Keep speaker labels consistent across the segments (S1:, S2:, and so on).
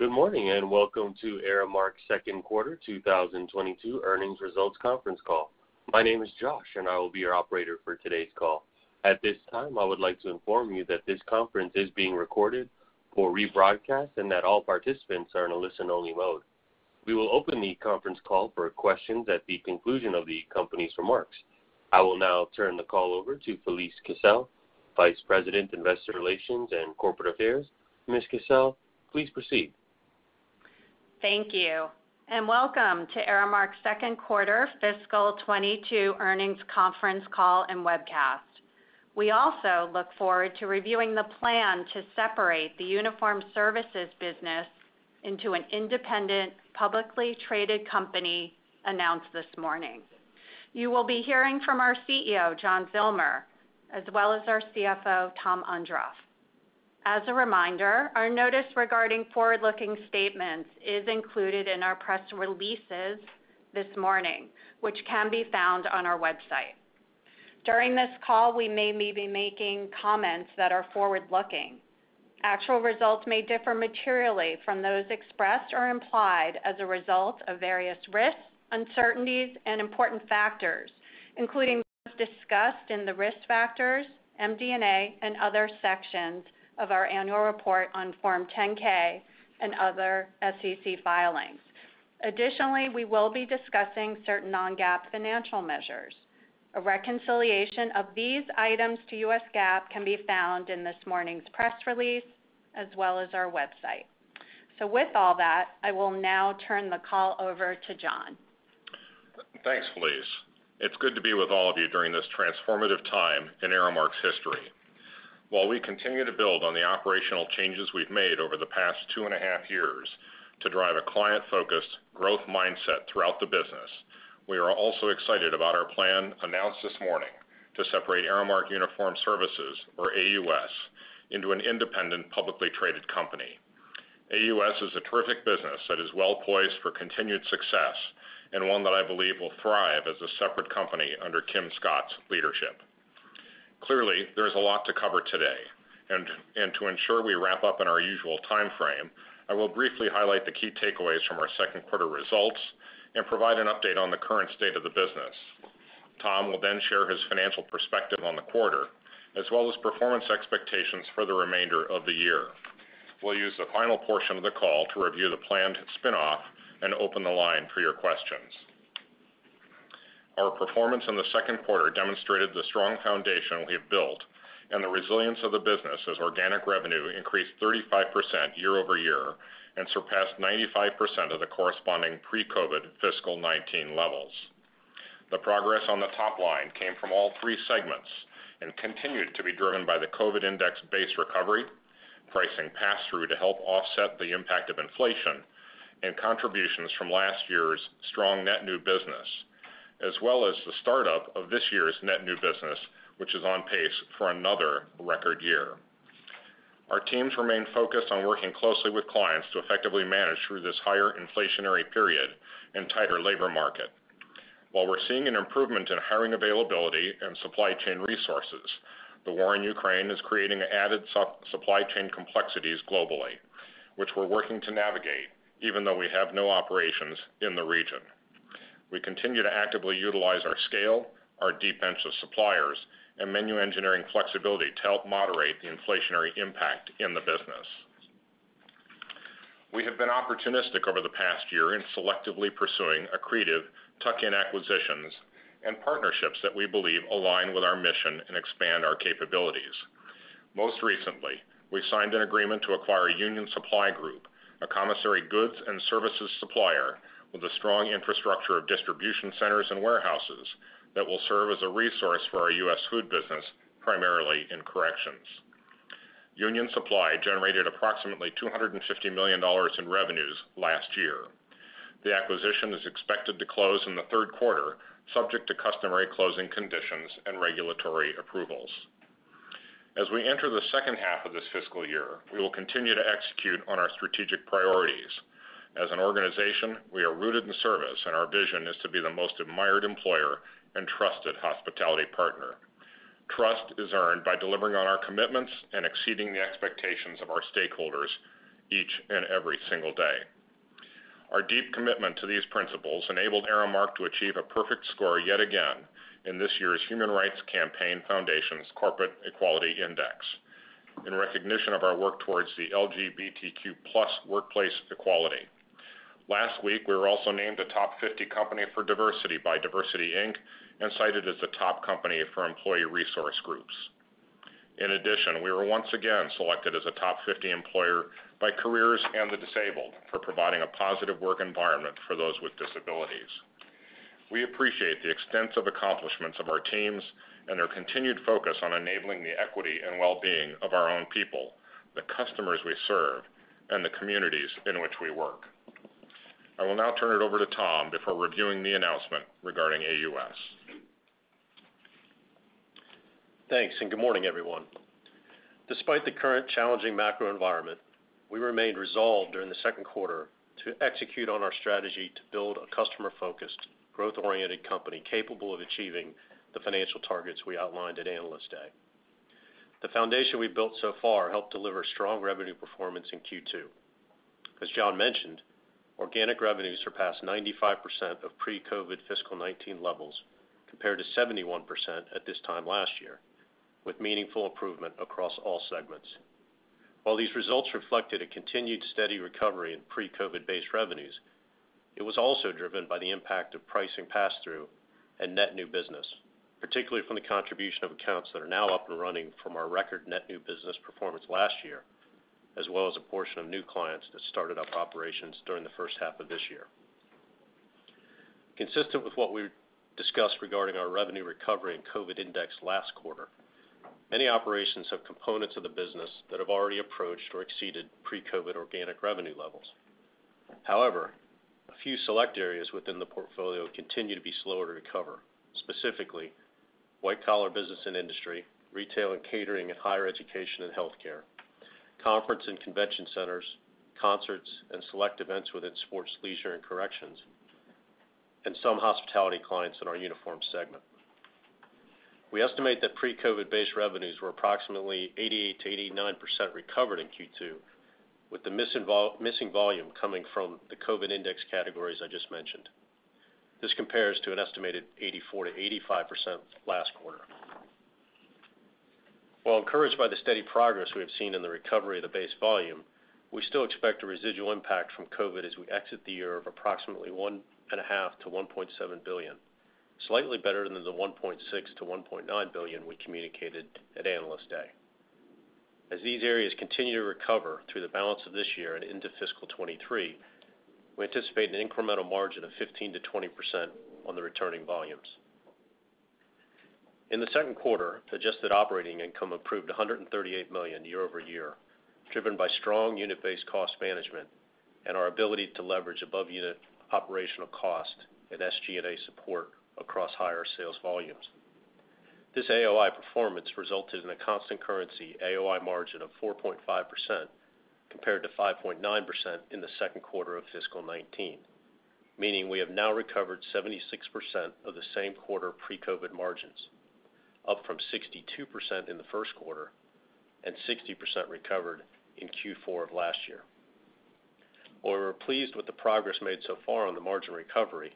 S1: Good morning, and welcome to Aramark's second quarter 2022 earnings results conference call. My name is Josh, and I will be your operator for today's call. At this time, I would like to inform you that this conference is being recorded for rebroadcast and that all participants are in a listen-only mode. We will open the conference call for questions at the conclusion of the company's remarks. I will now turn the call over to Felise Kissell, Vice President, Investor Relations and Corporate Affairs. Ms. Kissell, please proceed.
S2: Thank you, and welcome to Aramark's second quarter fiscal 2022 earnings conference call and webcast. We also look forward to reviewing the plan to separate the uniform services business into an independent, publicly traded company announced this morning. You will be hearing from our CEO, John Zillmer, as well as our CFO, Tom Ondrof. As a reminder, our notice regarding forward-looking statements is included in our press releases this morning, which can be found on our website. During this call, we may be making comments that are forward-looking. Actual results may differ materially from those expressed or implied as a result of various risks, uncertainties, and important factors, including those discussed in the Risk Factors, MD&A, and other sections of our annual report on Form 10-K and other SEC filings. Additionally, we will be discussing certain non-GAAP financial measures. A reconciliation of these items to US GAAP can be found in this morning's press release as well as our website. With all that, I will now turn the call over to John.
S3: Thanks, Felise. It's good to be with all of you during this transformative time in Aramark's history. While we continue to build on the operational changes we've made over the past two and a half years to drive a client-focused growth mindset throughout the business, we are also excited about our plan announced this morning to separate Aramark Uniform Services, or AUS, into an independent, publicly traded company. AUS is a terrific business that is well-poised for continued success and one that I believe will thrive as a separate company under Kim Scott's leadership. Clearly, there is a lot to cover today, and to ensure we wrap up in our usual time frame, I will briefly highlight the key takeaways from our second quarter results and provide an update on the current state of the business. Tom, will then share his financial perspective on the quarter, as well as performance expectations for the remainder of the year. We'll use the final portion of the call to review the planned spin-off and open the line for your questions. Our performance in the second quarter demonstrated the strong foundation we have built and the resilience of the business as organic revenue increased 35% year-over-year and surpassed 95% of the corresponding pre-COVID fiscal 2019 levels. The progress on the top line came from all three segments and continued to be driven by the COVID index-based recovery, pricing pass-through to help offset the impact of inflation, and contributions from last year's strong net new business, as well as the startup of this year's net new business, which is on pace for another record year. Our teams remain focused on working closely with clients to effectively manage through this higher inflationary period and tighter labor market. While we're seeing an improvement in hiring availability and supply chain resources, the war in Ukraine is creating added supply chain complexities globally, which we're working to navigate, even though we have no operations in the region. We continue to actively utilize our scale, our deep bench of suppliers, and menu engineering flexibility to help moderate the inflationary impact in the business. We have been opportunistic over the past year in selectively pursuing accretive tuck-in acquisitions and partnerships that we believe align with our mission and expand our capabilities. Most recently, we signed an agreement to acquire Union Supply Group, a commissary goods and services supplier with a strong infrastructure of distribution centers and warehouses that will serve as a resource for our U.S. food business, primarily in corrections. Union Supply Group generated approximately $250 million in revenues last year. The acquisition is expected to close in the third quarter, subject to customary closing conditions and regulatory approvals. As we enter the second half of this fiscal year, we will continue to execute on our strategic priorities. As an organization, we are rooted in service, and our vision is to be the most admired employer and trusted hospitality partner. Trust is earned by delivering on our commitments and exceeding the expectations of our stakeholders each and every single day. Our deep commitment to these principles enabled Aramark to achieve a perfect score yet again in this year's Human Rights Campaign Foundation's Corporate Equality Index in recognition of our work towards the LGBTQ+ workplace equality. Last week, we were also named a Top 50 Company for Diversity by DiversityInc. And cited as a top company for employee resource groups. In addition, we were once again selected as a Top 50 Employer by CAREERS & the disABLED for providing a positive work environment for those with disabilities. We appreciate the extensive accomplishments of our teams and their continued focus on enabling the equity and well-being of our own people, the customers we serve, and the communities in which we work. I will now turn it over to Tom, before reviewing the announcement regarding AUS.
S4: Thanks, good morning, everyone. Despite the current challenging macro environment, we remained resolved during the second quarter to execute on our strategy to build a customer-focused, growth-oriented company capable of achieving the financial targets we outlined at Analyst Day. The foundation we've built so far helped deliver strong revenue performance in Q2. As John mentioned, organic revenue surpassed 95% of pre-COVID fiscal 2019 levels compared to 71% at this time last year, with meaningful improvement across all segments. While these results reflected a continued steady recovery in pre-COVID base revenues, it was also driven by the impact of pricing pass-through and net new business, particularly from the contribution of accounts that are now up and running from our record net new business performance last year, as well as a portion of new clients that started up operations during the first half of this year. Consistent with what we discussed regarding our revenue recovery and COVID index last quarter, many operations have components of the business that have already approached or exceeded pre-COVID organic revenue levels. However, a few select areas within the portfolio continue to be slower to recover, specifically white collar business and industry, retail and catering, and higher education and healthcare, conference and convention centers, concerts and select events within sports, leisure, and corrections, and some hospitality clients in our uniform segment. We estimate that pre-COVID base revenues were approximately 88%-89% recovered in Q2, with the missing volume coming from the COVID index categories I just mentioned. This compares to an estimated 84%-85% last quarter. While encouraged by the steady progress we have seen in the recovery of the base volume, we still expect a residual impact from COVID as we exit the year of approximately $1.5 billion-$1.7 billion, slightly better than the $1.6 billion-$1.9 billion we communicated at Analyst Day. As these areas continue to recover through the balance of this year and into fiscal 2023, we anticipate an incremental margin of 15%-20% on the returning volumes. In the second quarter, adjusted operating income improved $138 million year-over-year, driven by strong unit-based cost management and our ability to leverage above unit operational cost and SG&A support across higher sales volumes. This AOI performance resulted in a constant currency AOI margin of 4.5% compared to 5.9% in the second quarter of fiscal 2019, meaning we have now recovered 76% of the same quarter pre-COVID margins, up from 62% in the first quarter and 60% recovered in Q4 of last year. While we're pleased with the progress made so far on the margin recovery,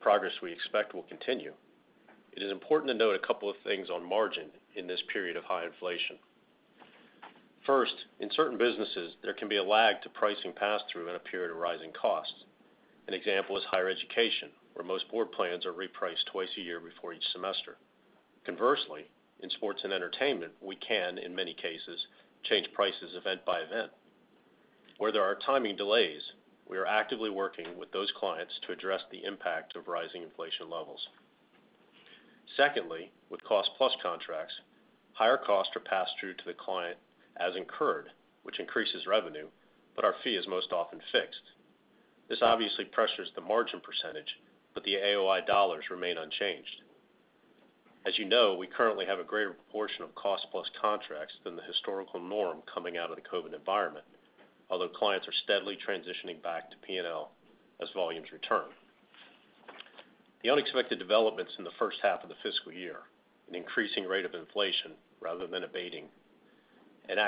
S4: progress we expect will continue, it is important to note a couple of things on margin in this period of high inflation. First, in certain businesses, there can be a lag to pricing pass-through in a period of rising costs. An example is higher education, where most board plans are repriced twice a year before each semester. Conversely, in sports and entertainment, we can, in many cases, change prices event by event. Where there are timing delays, we are actively working with those clients to address the impact of rising inflation levels. Secondly, with cost-plus contracts, higher costs are passed through to the client as incurred, which increases revenue, but our fee is most often fixed. This obviously pressures the margin percentage, but the AOI dollars remain unchanged. As you know, we currently have a greater proportion of cost plus contracts than the historical norm coming out of the COVID environment, although clients are steadily transitioning back to P&L as volumes return. The unexpected developments in the first half of the fiscal year, an increasing rate of inflation rather than abating, and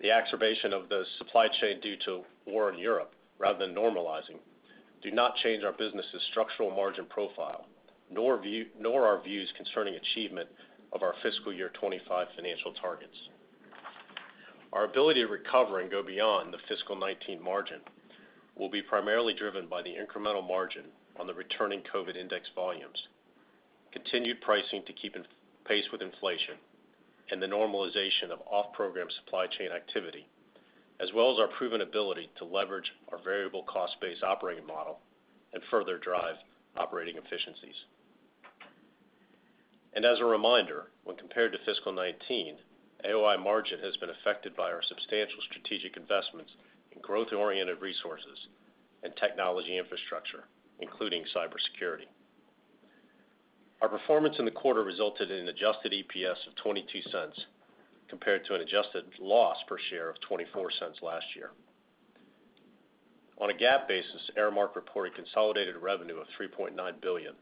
S4: the exacerbation of the supply chain due to war in Europe rather than normalizing do not change our business' structural margin profile, nor our views concerning achievement of our fiscal year 2025 financial targets. Our ability to recover and go beyond the fiscal 2019 margin will be primarily driven by the incremental margin on the returning COVID index volumes, continued pricing to keep in pace with inflation, and the normalization of off-program supply chain activity, as well as our proven ability to leverage our variable cost-based operating model and further drive operating efficiencies. As a reminder, when compared to fiscal 2019, AOI margin has been affected by our substantial strategic investments in growth-oriented resources and technology infrastructure, including cybersecurity. Our performance in the quarter resulted in an adjusted EPS of $0.22 compared to an adjusted loss per share of $0.24 last year. On a GAAP basis, Aramark reported consolidated revenue of $3.9 billion,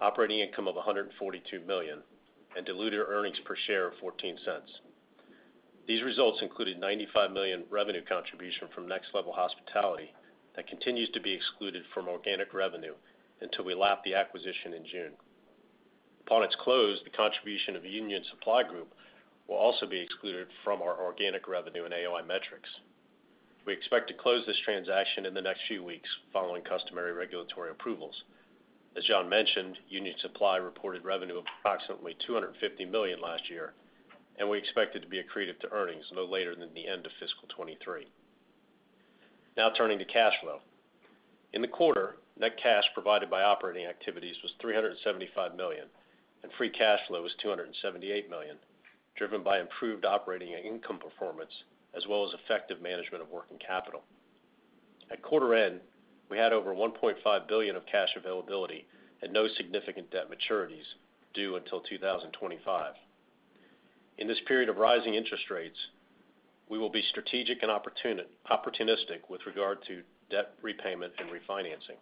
S4: operating income of $142 million, and diluted earnings per share of $0.14. These results included $95 million revenue contribution from Next Level Hospitality that continues to be excluded from organic revenue until we lap the acquisition in June. Upon its close, the contribution of Union Supply Group will also be excluded from our organic revenue and AOI metrics. We expect to close this transaction in the next few weeks following customary regulatory approvals. As John mentioned, Union Supply reported revenue of approximately $250 million last year, and we expect it to be accretive to earnings no later than the end of fiscal 2023. Now turning to cash flow. In the quarter, net cash provided by operating activities was $375 million, and free cash flow was $278 million, driven by improved operating and income performance as well as effective management of working capital. At quarter end, we had over $1.5 billion of cash availability and no significant debt maturities due until 2025. In this period of rising interest rates, we will be strategic and opportunistic with regard to debt repayment and refinancing.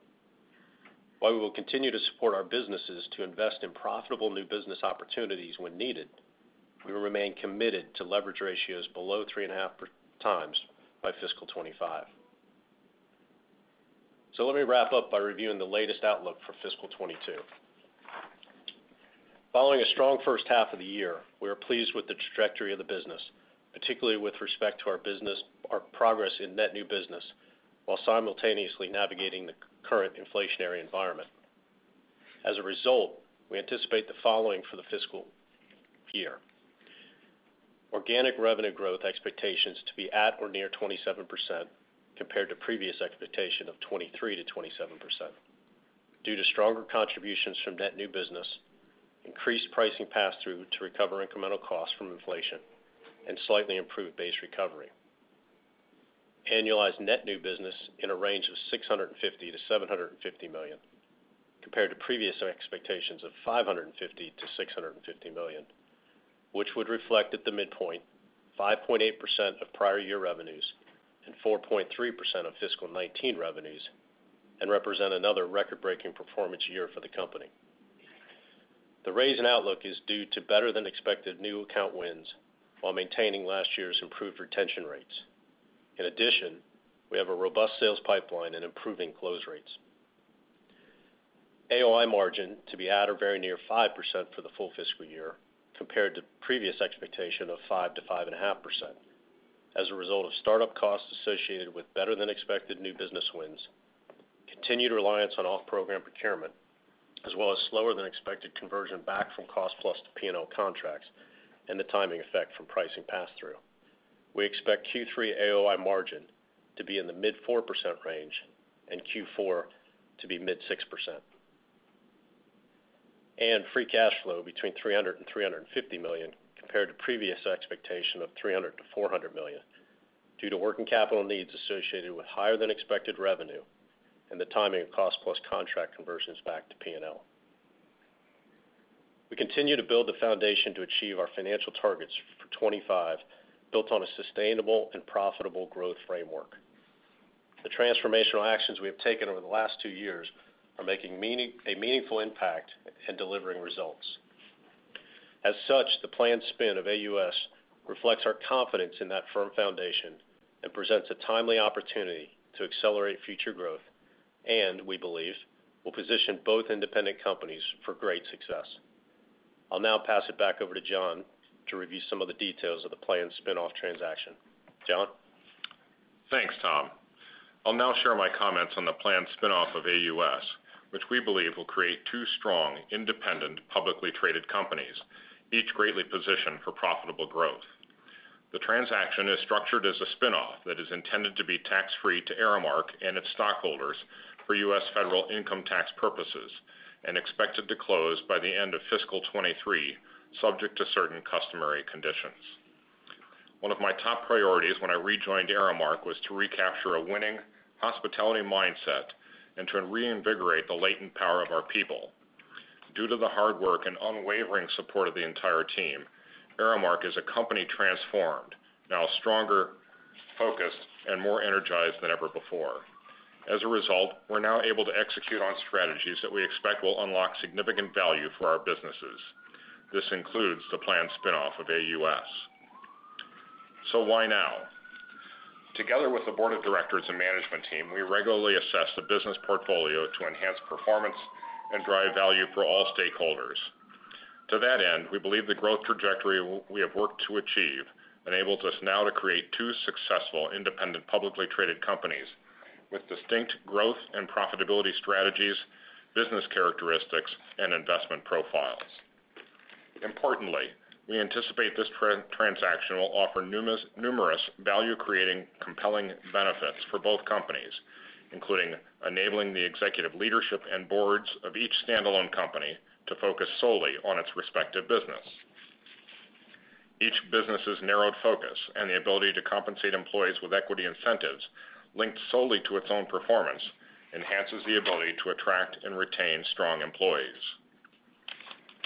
S4: While we will continue to support our businesses to invest in profitable new business opportunities when needed, we will remain committed to leverage ratios below 3.5x by fiscal 2025. Let me wrap up by reviewing the latest outlook for fiscal 2022. Following a strong first half of the year, we are pleased with the trajectory of the business, particularly with respect to our business, our progress in net new business, while simultaneously navigating the current inflationary environment. As a result, we anticipate the following for the fiscal year. Organic revenue growth expectations to be at or near 27% compared to previous expectation of 23%-27% due to stronger contributions from net new business, increased pricing passthrough to recover incremental costs from inflation, and slightly improved base recovery. Annualized net new business in a range of $650 million-$750 million, compared to previous expectations of $550 million-$650 million, which would reflect at the midpoint 5.8% of prior year revenues and 4.3% of fiscal 2019 revenues and represent another record-breaking performance year for the company. The raise in outlook is due to better-than-expected new account wins while maintaining last year's improved retention rates. In addition, we have a robust sales pipeline and improving close rates. AOI margin to be at or very near 5% for the full fiscal year compared to previous expectation of 5%-5.5% as a result of startup costs associated with better-than-expected new business wins, continued reliance on off-program procurement, as well as slower-than-expected conversion back from cost-plus to P&L contracts, and the timing effect from pricing pass-through. We expect Q3 AOI margin to be in the mid-4% range and Q4 to be mid-6%. Free cash flow between $300 million-$350 million compared to previous expectation of $300 million-$400 million due to working capital needs associated with higher-than-expected revenue and the timing of cost-plus contract conversions back to P&L. We continue to build the foundation to achieve our financial targets for 2025, built on a sustainable and profitable growth framework. The transformational actions we have taken over the last two years are making a meaningful impact in delivering results. As such, the planned spin of AUS reflects our confidence in that firm foundation and presents a timely opportunity to accelerate future growth, and we believe will position both independent companies for great success. I'll now pass it back over to John to review some of the details of the planned spin-off transaction. John?
S3: Thanks, Tom. I'll now share my comments on the planned spin-off of AUS, which we believe will create two strong, independent, publicly traded companies, each greatly positioned for profitable growth. The transaction is structured as a spin-off that is intended to be tax-free to Aramark and its stockholders for U.S. federal income tax purposes, and expected to close by the end of fiscal 2023, subject to certain customary conditions. One of my top priorities when I rejoined Aramark was to recapture a winning hospitality mindset and to reinvigorate the latent power of our people. Due to the hard work and unwavering support of the entire team, Aramark is a company transformed, now stronger, focused, and more energized than ever before. As a result, we're now able to execute on strategies that we expect will unlock significant value for our businesses. This includes the planned spin-off of AUS. Why now? Together with the board of directors and management team, we regularly assess the business portfolio to enhance performance and drive value for all stakeholders. To that end, we believe the growth trajectory we have worked to achieve enables us now to create two successful, independent, publicly traded companies with distinct growth and profitability strategies, business characteristics, and investment profiles. Importantly, we anticipate this transaction will offer numerous value-creating, compelling benefits for both companies, including enabling the executive leadership and boards of each standalone company to focus solely on its respective business. Each business's narrowed focus and the ability to compensate employees with equity incentives linked solely to its own performance enhances the ability to attract and retain strong employees.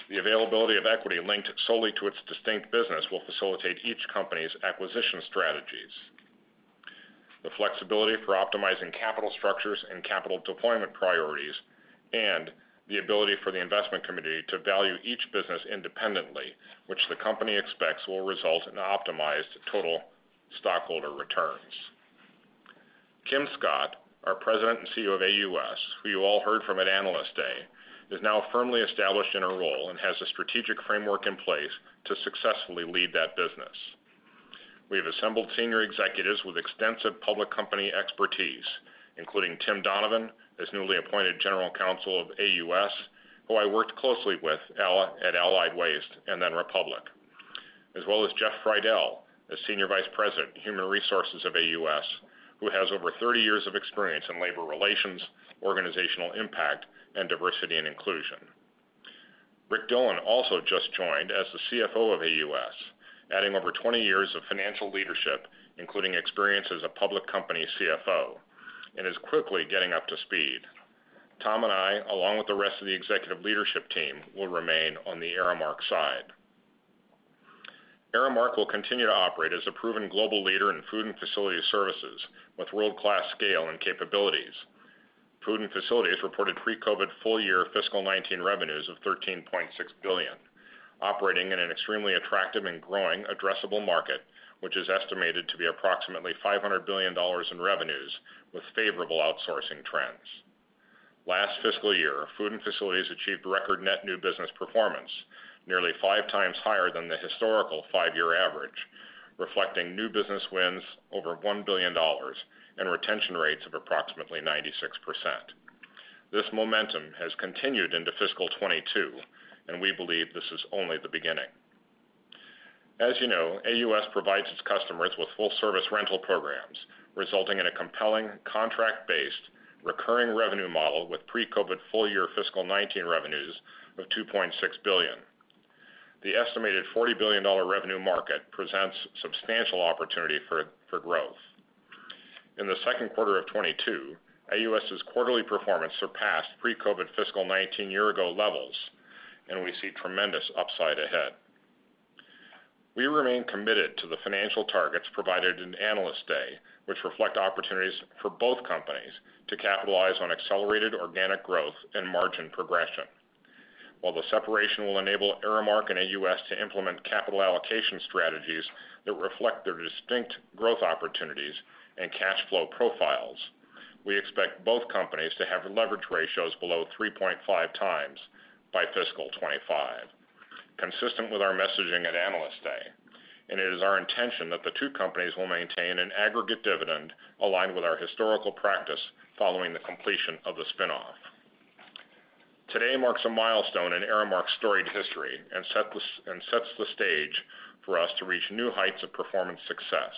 S3: The availability of equity linked solely to its distinct business will facilitate each company's acquisition strategies. The flexibility for optimizing capital structures and capital deployment priorities and the ability for the investment community to value each business independently, which the company expects will result in optimized total stockholder returns. Kim Scott, our President and CEO of AUS, who you all heard from at Analyst Day, is now firmly established in her role and has a strategic framework in place to successfully lead that business. We have assembled senior executives with extensive public company expertise, including Tim Donovan, as newly appointed General Counsel of AUS, who I worked closely with, at Allied Waste and the Republic. As well as Jeff Friedel, as Senior Vice President, Human Resources of AUS, who has over 30 years of experience in labor relations, organizational impact, and diversity and inclusion. Rick Dillon also just joined as the CFO of AUS, adding over 20 years of financial leadership, including experience as a public company CFO, and is quickly getting up to speed. Tom and I, along with the rest of the executive leadership team, will remain on the Aramark side. Aramark will continue to operate as a proven global leader in food and facility services with world-class scale and capabilities. Food & Facility reported pre-COVID full-year fiscal 2019 revenues of $13.6 billion, operating in an extremely attractive and growing addressable market, which is estimated to be approximately $500 billion in revenues with favorable outsourcing trends. Last fiscal year, Food & Facility achieved record net new business performance, nearly five times higher than the historical five-year average, reflecting new business wins over $1 billion and retention rates of approximately 96%. This momentum has continued into fiscal 2022, and we believe this is only the beginning. As you know, AUS provides its customers with full service rental programs, resulting in a compelling contract-based recurring revenue model with pre-COVID full-year fiscal 2019 revenues of $2.6 billion. The estimated $40 billion revenue market presents substantial opportunity for growth. In the second quarter of 2022, AUS's quarterly performance surpassed pre-COVID fiscal 2019 year ago levels, and we see tremendous upside ahead. We remain committed to the financial targets provided in Analyst Day, which reflect opportunities for both companies to capitalize on accelerated organic growth and margin progression. While the separation will enable Aramark and AUS to implement capital allocation strategies that reflect their distinct growth opportunities and cash flow profiles, we expect both companies to have leverage ratios below 3.5x by fiscal 2025, consistent with our messaging at Analyst Day, and it is our intention that the two companies will maintain an aggregate dividend aligned with our historical practice following the completion of the spin-off. Today marks a milestone in Aramark's storied history and sets the stage for us to reach new heights of performance success.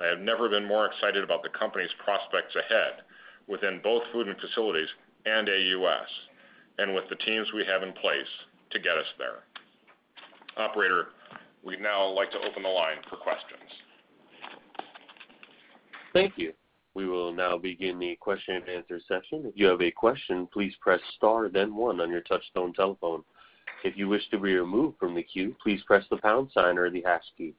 S3: I have never been more excited about the company's prospects ahead within both Food & Facilities and AUS, and with the teams we have in place to get us there. Operator, we'd now like to open the line for questions.
S1: Thank you. We will now begin the question-and-answer session. If you have a question, please press star then one on your touchtone telephone. If you wish to be removed from the queue, please press the pound sign or the hash key.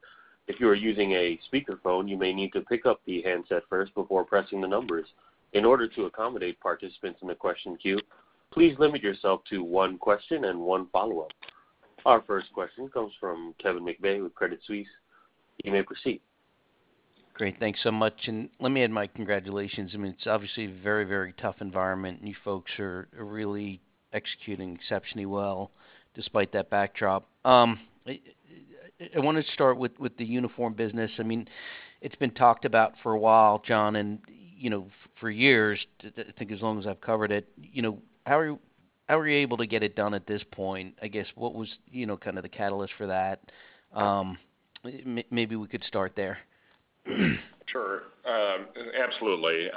S1: If you are using a speakerphone, you may need to pick up the handset first before pressing the numbers. In order to accommodate participants in the question queue, please limit yourself to one question and one follow-up. Our first question comes from Kevin McVeigh with Credit Suisse. You may proceed.
S5: Great. Thanks so much. Let me add my congratulations. I mean, it's obviously a very, very tough environment, and you folks are really executing exceptionally well despite that backdrop. I wanna start with the uniform business. I mean, it's been talked about for a while, John, and you know, for years, I think as long as I've covered it. You know, how are you able to get it done at this point? I guess, what was, you know, kinda the catalyst for that? Maybe we could start there.
S3: Sure. Absolutely.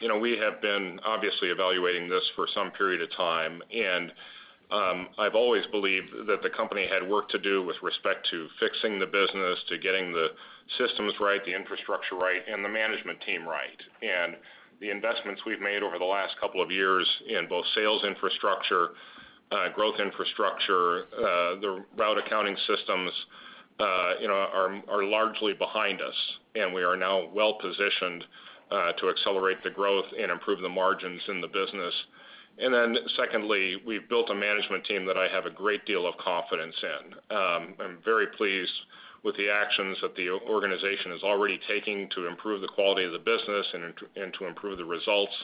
S3: You know, we have been obviously evaluating this for some period of time, and, I've always believed that the company had work to do with respect to fixing the business, to getting the systems right, the infrastructure right, and the management team right. The investments we've made over the last couple of years in both sales infrastructure, growth infrastructure, the route accounting systems, you know, are largely behind us, and we are now well-positioned to accelerate the growth and improve the margins in the business. Secondly, we've built a management team that I have a great deal of confidence in. I'm very pleased with the actions that the organization is already taking to improve the quality of the business and to improve the results.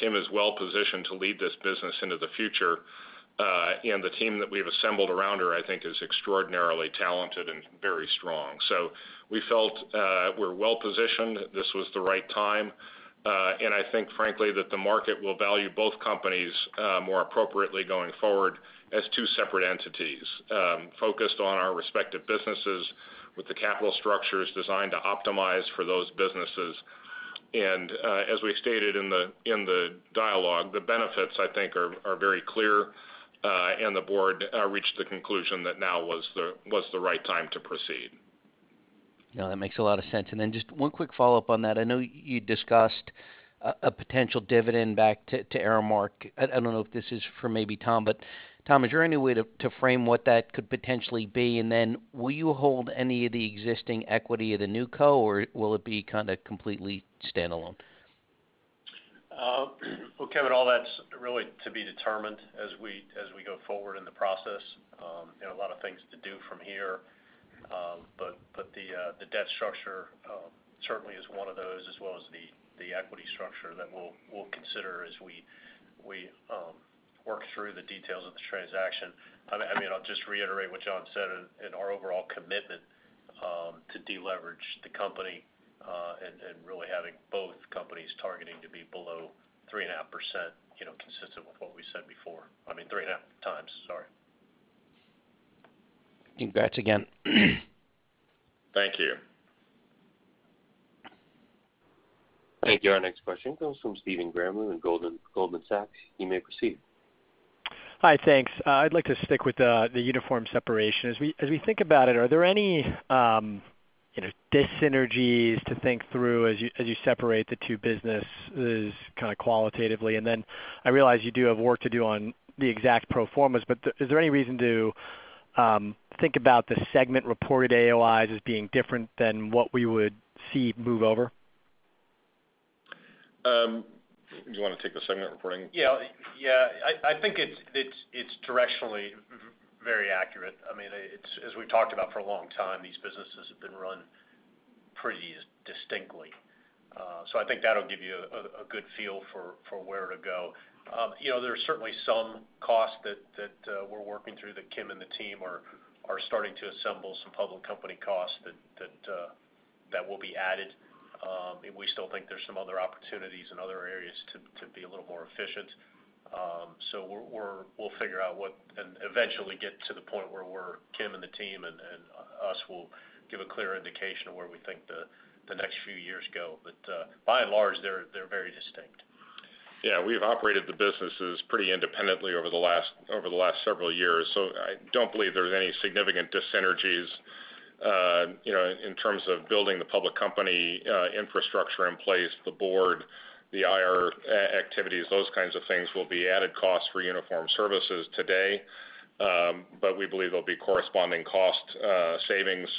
S3: Kim is well positioned to lead this business into the future, and the team that we've assembled around her, I think is extraordinarily talented and very strong. We felt, we're well positioned, this was the right time, and I think, frankly, that the market will value both companies, more appropriately going forward as two separate entities, focused on our respective businesses with the capital structures designed to optimize for those businesses. As we stated in the dialogue, the benefits, I think are very clear, and the board reached the conclusion that now was the right time to proceed.
S5: No, that makes a lot of sense. Then just one quick follow-up on that. I know you discussed a potential dividend back to Aramark. I don't know if this is for maybe Tom, but Tom, is there any way to frame what that could potentially be? Then will you hold any of the existing equity of the new co., or will it be kinda completely standalone?
S4: Well, Kevin, all that's really to be determined as we go forward in the process, you know, a lot of things to do from here. But the debt structure certainly is one of those, as well as the equity structure that we'll consider as we work through the details of the transaction. I mean, I'll just reiterate what John said in our overall commitment to deleverage the company, and really having both companies targeting to be below 3.5%, you know, consistent with what we said before. I mean, 3.5x. Sorry.
S5: Congrats again.
S3: Thank you.
S1: Thank you. Our next question comes from Stephen Grambling with Goldman Sachs. You may proceed.
S6: Hi, thanks. I'd like to stick with the uniform separation. As we think about it, are there any dis-synergies to think through as you separate the two businesses kinda qualitatively? I realize you do have work to do on the exact pro formas, but is there any reason to think about the segment reported AOIs as being different than what we would see move over?
S3: Do you wanna take the segment reporting?
S4: Yeah. I think it's directionally very accurate. I mean, it's as we've talked about for a long time, these businesses have been run pretty distinctly. So I think that'll give you a good feel for where to go. You know, there are certainly some costs that we're working through that Kim and the team are starting to assemble some public company costs that will be added. We still think there's some other opportunities in other areas to be a little more efficient. So we'll figure out what. Eventually get to the point where we're, Kim and the team and us will give a clear indication of where we think the next few years go. By and large, they're very distinct.
S3: Yeah, we've operated the businesses pretty independently over the last several years. I don't believe there's any significant dis-synergies, you know, in terms of building the public company infrastructure in place, the board, the IR activities, those kinds of things will be added costs for Uniform Services today. We believe there'll be corresponding cost savings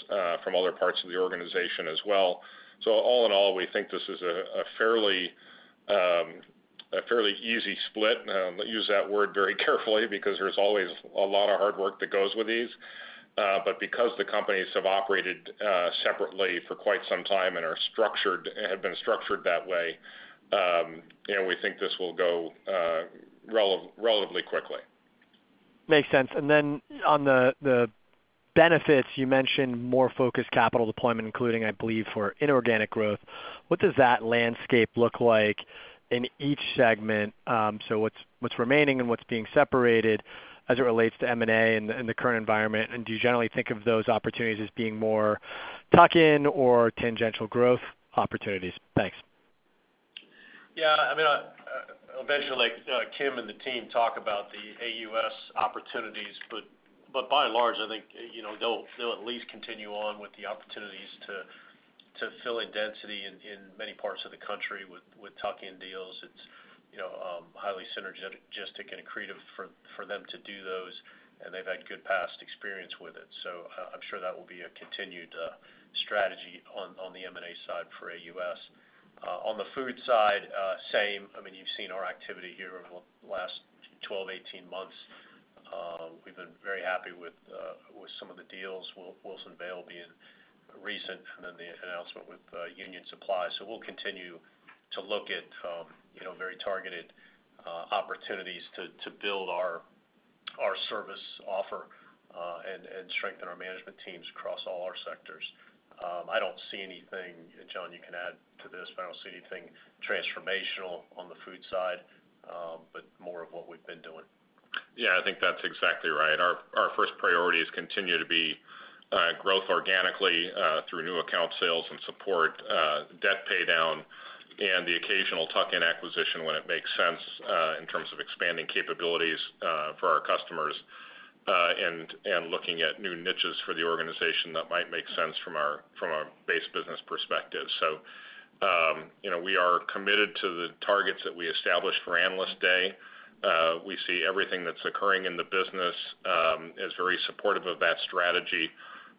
S3: from other parts of the organization as well. All in all, we think this is a fairly easy split. Use that word very carefully because there's always a lot of hard work that goes with these. Because the companies have operated separately for quite some time and have been structured that way, you know, we think this will go relatively quickly.
S6: Makes sense. On the benefits, you mentioned more focused capital deployment, including, I believe, for inorganic growth. What does that landscape look like in each segment, so what's remaining and what's being separated as it relates to M&A in the current environment? Do you generally think of those opportunities as being more tuck-in or tangential growth opportunities? Thanks.
S4: Yeah, I mean, eventually, Kim and the team talk about the AUS opportunities, but by and large, I think, you know, they'll at least continue on with the opportunities to fill in density in many parts of the country with tuck-in deals. It's, you know, highly synergistic and accretive for them to do those, and they've had good past experience with it. I'm sure that will be a continued strategy on the M&A side for AUS. On the food side, same. I mean, you've seen our activity here over the last 12-18 months. We've been very happy with some of the deals, Wilson Vale being recent, and then the announcement with Union Supply. We'll continue to look at, you know, very targeted opportunities to build our service offer and strengthen our management teams across all our sectors. I don't see anything, and John, you can add to this, but I don't see anything transformational on the food side, but more of what we've been doing.
S3: Yeah, I think that's exactly right. Our first priority has continued to be growth organically through new account sales and support, debt pay down, and the occasional tuck-in acquisition when it makes sense in terms of expanding capabilities for our customers, and looking at new niches for the organization that might make sense from our base business perspective. You know, we are committed to the targets that we established for Analyst Day. We see everything that's occurring in the business as very supportive of that strategy,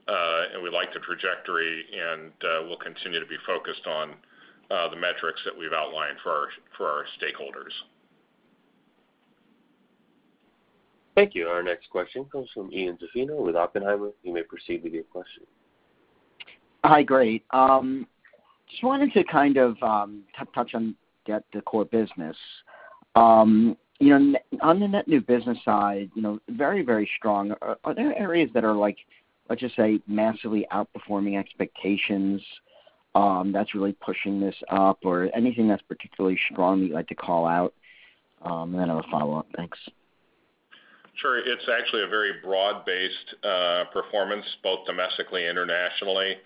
S3: and we like the trajectory, and we'll continue to be focused on the metrics that we've outlined for our stakeholders.
S1: Thank you. Our next question comes from Ian Zaffino with Oppenheimer. You may proceed with your question.
S7: Hi, great. Just wanted to kind of touch on getting the core business. You know, on the net new business side, you know, very, very strong. Are there areas that are like, let's just say, massively outperforming expectations, that's really pushing this up? Or anything that's particularly strong you'd like to call out? I have a follow-up. Thanks.
S3: Sure. It's actually a very broad-based performance, both domestically and internationally,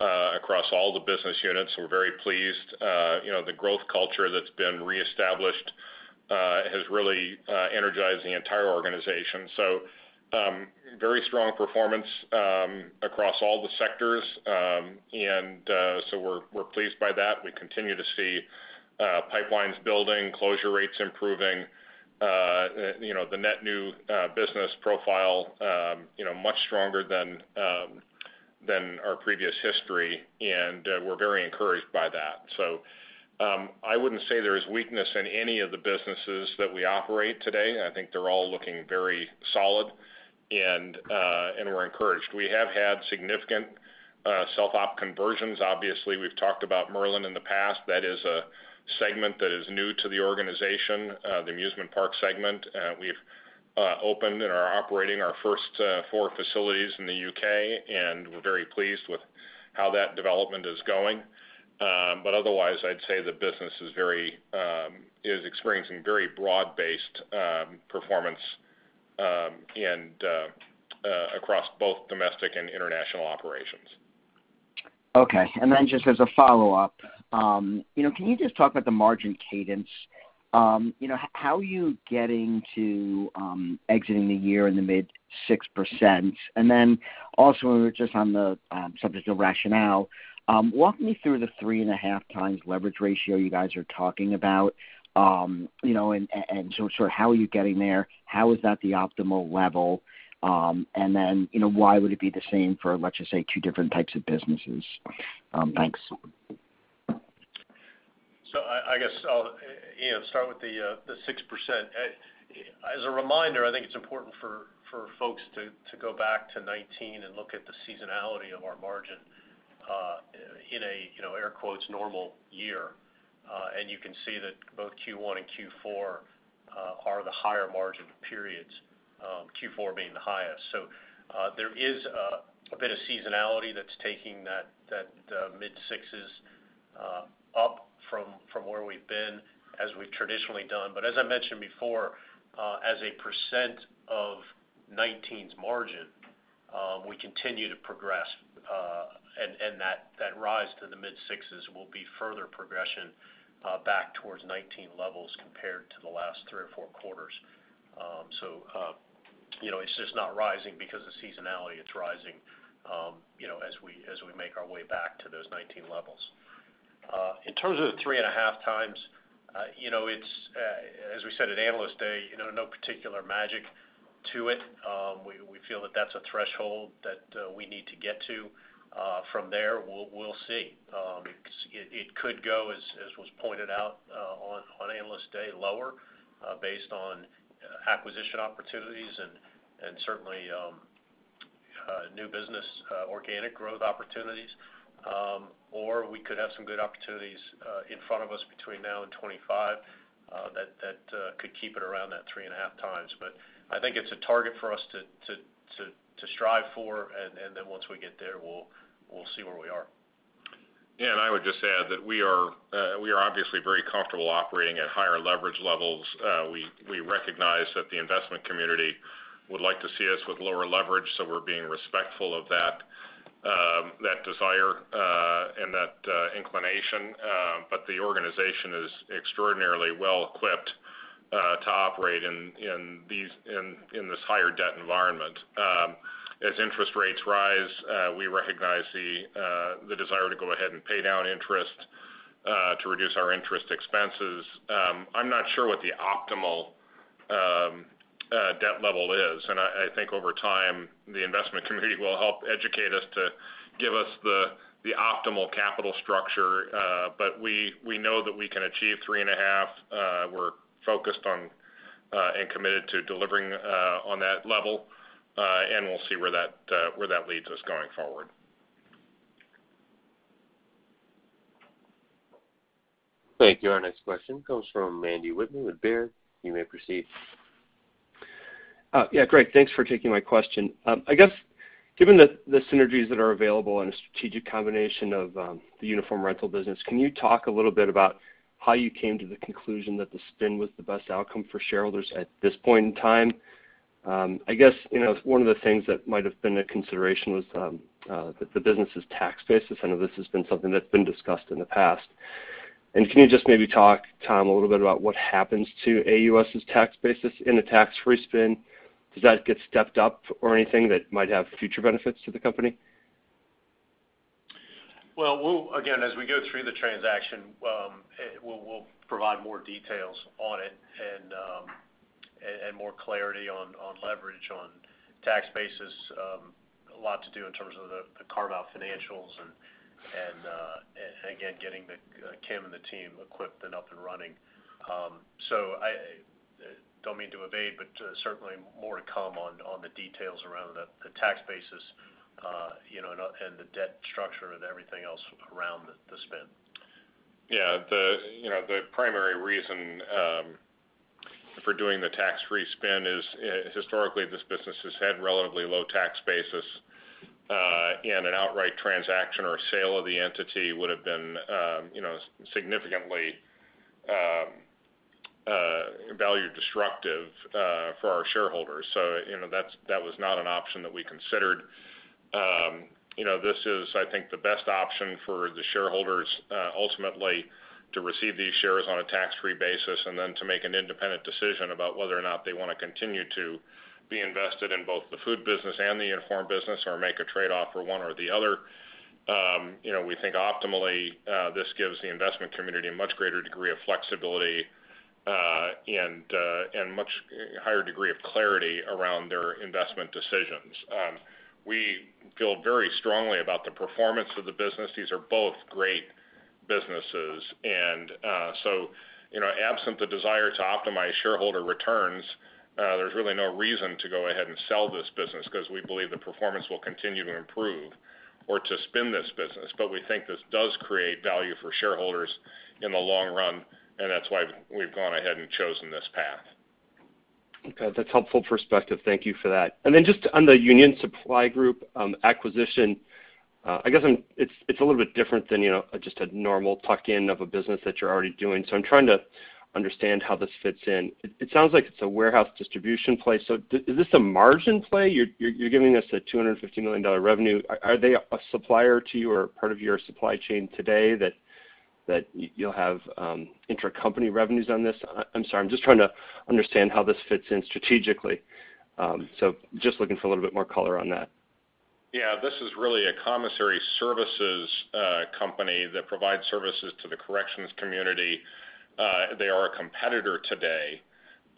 S3: across all the business units. We're very pleased. You know, the growth culture that's been reestablished has really energized the entire organization. Very strong performance across all the sectors. We're pleased by that. We continue to see pipelines building, closure rates improving, you know, the net new business profile, you know, much stronger than our previous history, and we're very encouraged by that. I wouldn't say there is weakness in any of the businesses that we operate today. I think they're all looking very solid, and we're encouraged. We have had significant self-op conversions. Obviously, we've talked about Merlin in the past. That is a segment that is new to the organization, the amusement park segment. We've opened and are operating our first four facilities in the U.K., and we're very pleased with how that development is going. Otherwise, I'd say the business is experiencing very broad-based performance across both domestic and international operations.
S7: Okay. Just as a follow-up, you know, can you just talk about the margin cadence? You know, how are you getting to exiting the year in the mid-6%? Then also just on the subject of rationale, walk me through the 3.5x leverage ratio you guys are talking about, you know, so sort of how are you getting there? How is that the optimal level? Then, you know, why would it be the same for, let's just say, two different types of businesses? Thanks.
S4: I guess I'll, you know, start with the 6%. As a reminder, I think it's important for folks to go back to 2019 and look at the seasonality of our margin in a, you know, air quotes, "normal year." You can see that both Q1 and Q4 are the higher margin periods, Q4 being the highest. There is a bit of seasonality that's taking that mid-6% up from where we've been as we've traditionally done. But as I mentioned before, as a percent of 2019's margin, we continue to progress, and that rise to the mid-6% will be further progression back towards 2019 levels compared to the last three or four quarters. You know, it's just not rising because of seasonality. It's rising, you know, as we make our way back to those 2019 levels. In terms of the 3.5x, you know, it's as we said at Analyst Day, you know, no particular magic to it. We feel that that's a threshold that we need to get to. From there, we'll see. It could go, as was pointed out, on Analyst Day, lower, based on acquisition opportunities and certainly new business organic growth opportunities. We could have some good opportunities in front of us between now and 2025 that could keep it around that 3.5x. I think it's a target for us to strive for, and then once we get there, we'll see where we are.
S3: Yeah, I would just add that we are obviously very comfortable operating at higher leverage levels. We recognize that the investment community would like to see us with lower leverage, so we're being respectful of that desire and that inclination. The organization is extraordinarily well equipped to operate in this higher debt environment. As interest rates rise, we recognize the desire to go ahead and pay down interest to reduce our interest expenses. I'm not sure what the optimal debt level is, and I think over time the investment community will help educate us to give us the optimal capital structure. We know that we can achieve 3.5. We're focused on and committed to delivering on that level, and we'll see where that leads us going forward.
S1: Thank you. Our next question comes from Andy Wittmann with Baird. You may proceed.
S8: Yeah, great. Thanks for taking my question. I guess given the synergies that are available in a strategic combination of the uniform rental business, can you talk a little bit about how you came to the conclusion that the spin was the best outcome for shareholders at this point in time? I guess, you know, one of the things that might have been a consideration was that the business is tax basis. I know this has been something that's been discussed in the past. Can you just maybe talk, Tom, a little bit about what happens to AUS's tax basis in a tax-free spin? Does that get stepped up or anything that might have future benefits to the company?
S4: Well, again, as we go through the transaction, we'll provide more details on it and more clarity on leverage, on tax basis. A lot to do in terms of the carve-out financials and again, getting Kim and the team equipped and up and running. I don't mean to evade, but certainly more to come on the details around the tax basis, you know, and the debt structure and everything else around the spin.
S3: The, you know, the primary reason for doing the tax-free spin is historically this business has had relatively low tax basis, and an outright transaction or sale of the entity would've been, you know, significantly, value destructive, for our shareholders. You know, that was not an option that we considered. You know, this is, I think, the best option for the shareholders ultimately to receive these shares on a tax-free basis, and then to make an independent decision about whether or not they wanna continue to be invested in both the food business and the uniform business, or make a trade-off for one or the other. You know, we think optimally this gives the investment community a much greater degree of flexibility, and much higher degree of clarity around their investment decisions. We feel very strongly about the performance of the business. These are both great businesses. You know, absent the desire to optimize shareholder returns, there's really no reason to go ahead and sell this business because we believe the performance will continue to improve or to spin this business. We think this does create value for shareholders in the long run, and that's why we've gone ahead and chosen this path.
S8: Okay. That's helpful perspective. Thank you for that. Just on the Union Supply Group acquisition, I guess it's a little bit different than, you know, just a normal tuck-in of a business that you're already doing. I'm trying to understand how this fits in. It sounds like it's a warehouse distribution play. Is this a margin play? You're giving us a $250 million revenue. Are they a supplier to you or part of your supply chain today that you'll have intercompany revenues on this? I'm sorry, I'm just trying to understand how this fits in strategically. Just looking for a little bit more color on that.
S3: Yeah. This is really a commissary services company that provides services to the corrections community. They are a competitor today.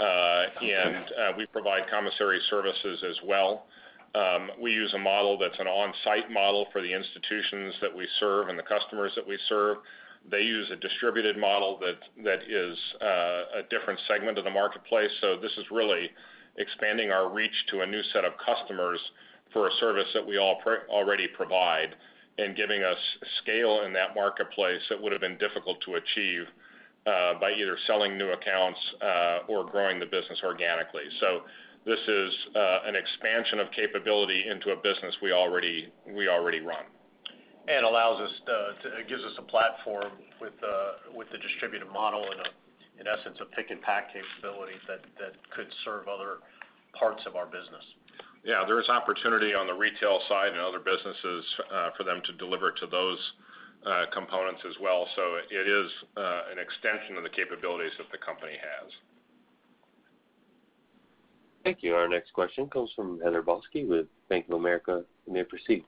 S3: We provide commissary services as well. We use a model that's an on-site model for the institutions that we serve and the customers that we serve. They use a distributed model that is a different segment of the marketplace. This is really expanding our reach to a new set of customers for a service that we already provide and giving us scale in that marketplace that would've been difficult to achieve by either selling new accounts or growing the business organically. This is an expansion of capability into a business we already run.
S4: It gives us a platform with the distributed model and, in essence, a pick and pack capability that could serve other parts of our business.
S3: Yeah. There is opportunity on the retail side and other businesses, for them to deliver to those components as well, so it is an extension of the capabilities that the company has.
S1: Thank you. Our next question comes from Heather Balsky with Bank of America. You may proceed.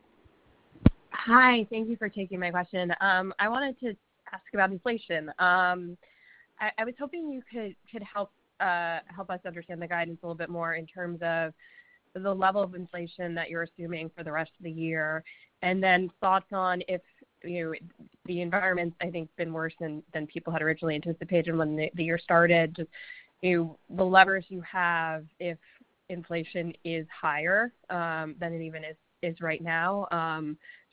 S9: Hi. Thank you for taking my question. I wanted to ask about inflation. I was hoping you could help us understand the guidance a little bit more in terms of the level of inflation that you're assuming for the rest of the year, and then thoughts on if, you know, the environment I think has been worse than people had originally anticipated when the year started. Just, you know, the levers you have if inflation is higher than it even is right now,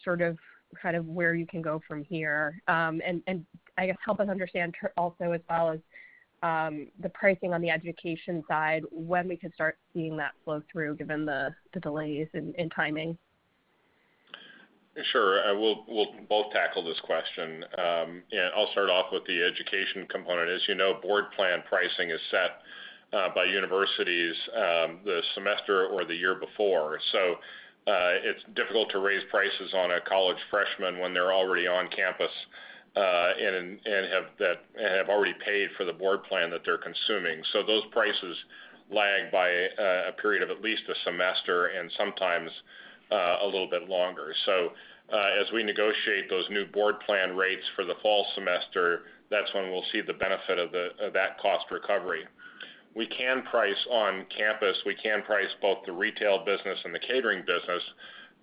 S9: sort of kind of where you can go from here. I guess help us understand also as well as the pricing on the education side, when we can start seeing that flow through given the delays in timing.
S3: Sure. We'll both tackle this question. I'll start off with the education component. As you know, board plan pricing is set by universities the semester or the year before. It's difficult to raise prices on a college freshman when they're already on campus and have already paid for the board plan that they're consuming. Those prices lag by a period of at least a semester and sometimes a little bit longer. As we negotiate those new board plan rates for the fall semester, that's when we'll see the benefit of that cost recovery. We can price on campus. We can price both the retail business and the catering business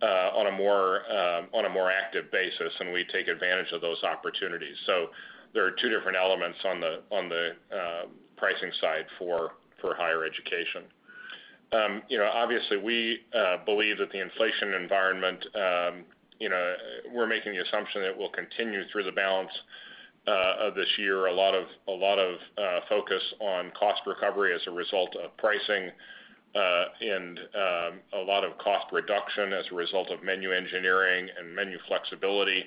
S3: on a more active basis, and we take advantage of those opportunities. There are two different elements on the pricing side for higher education. You know, obviously, we believe that the inflation environment, you know, we're making the assumption that it will continue through the balance of this year. A lot of focus on cost recovery as a result of pricing, and a lot of cost reduction as a result of menu engineering and menu flexibility.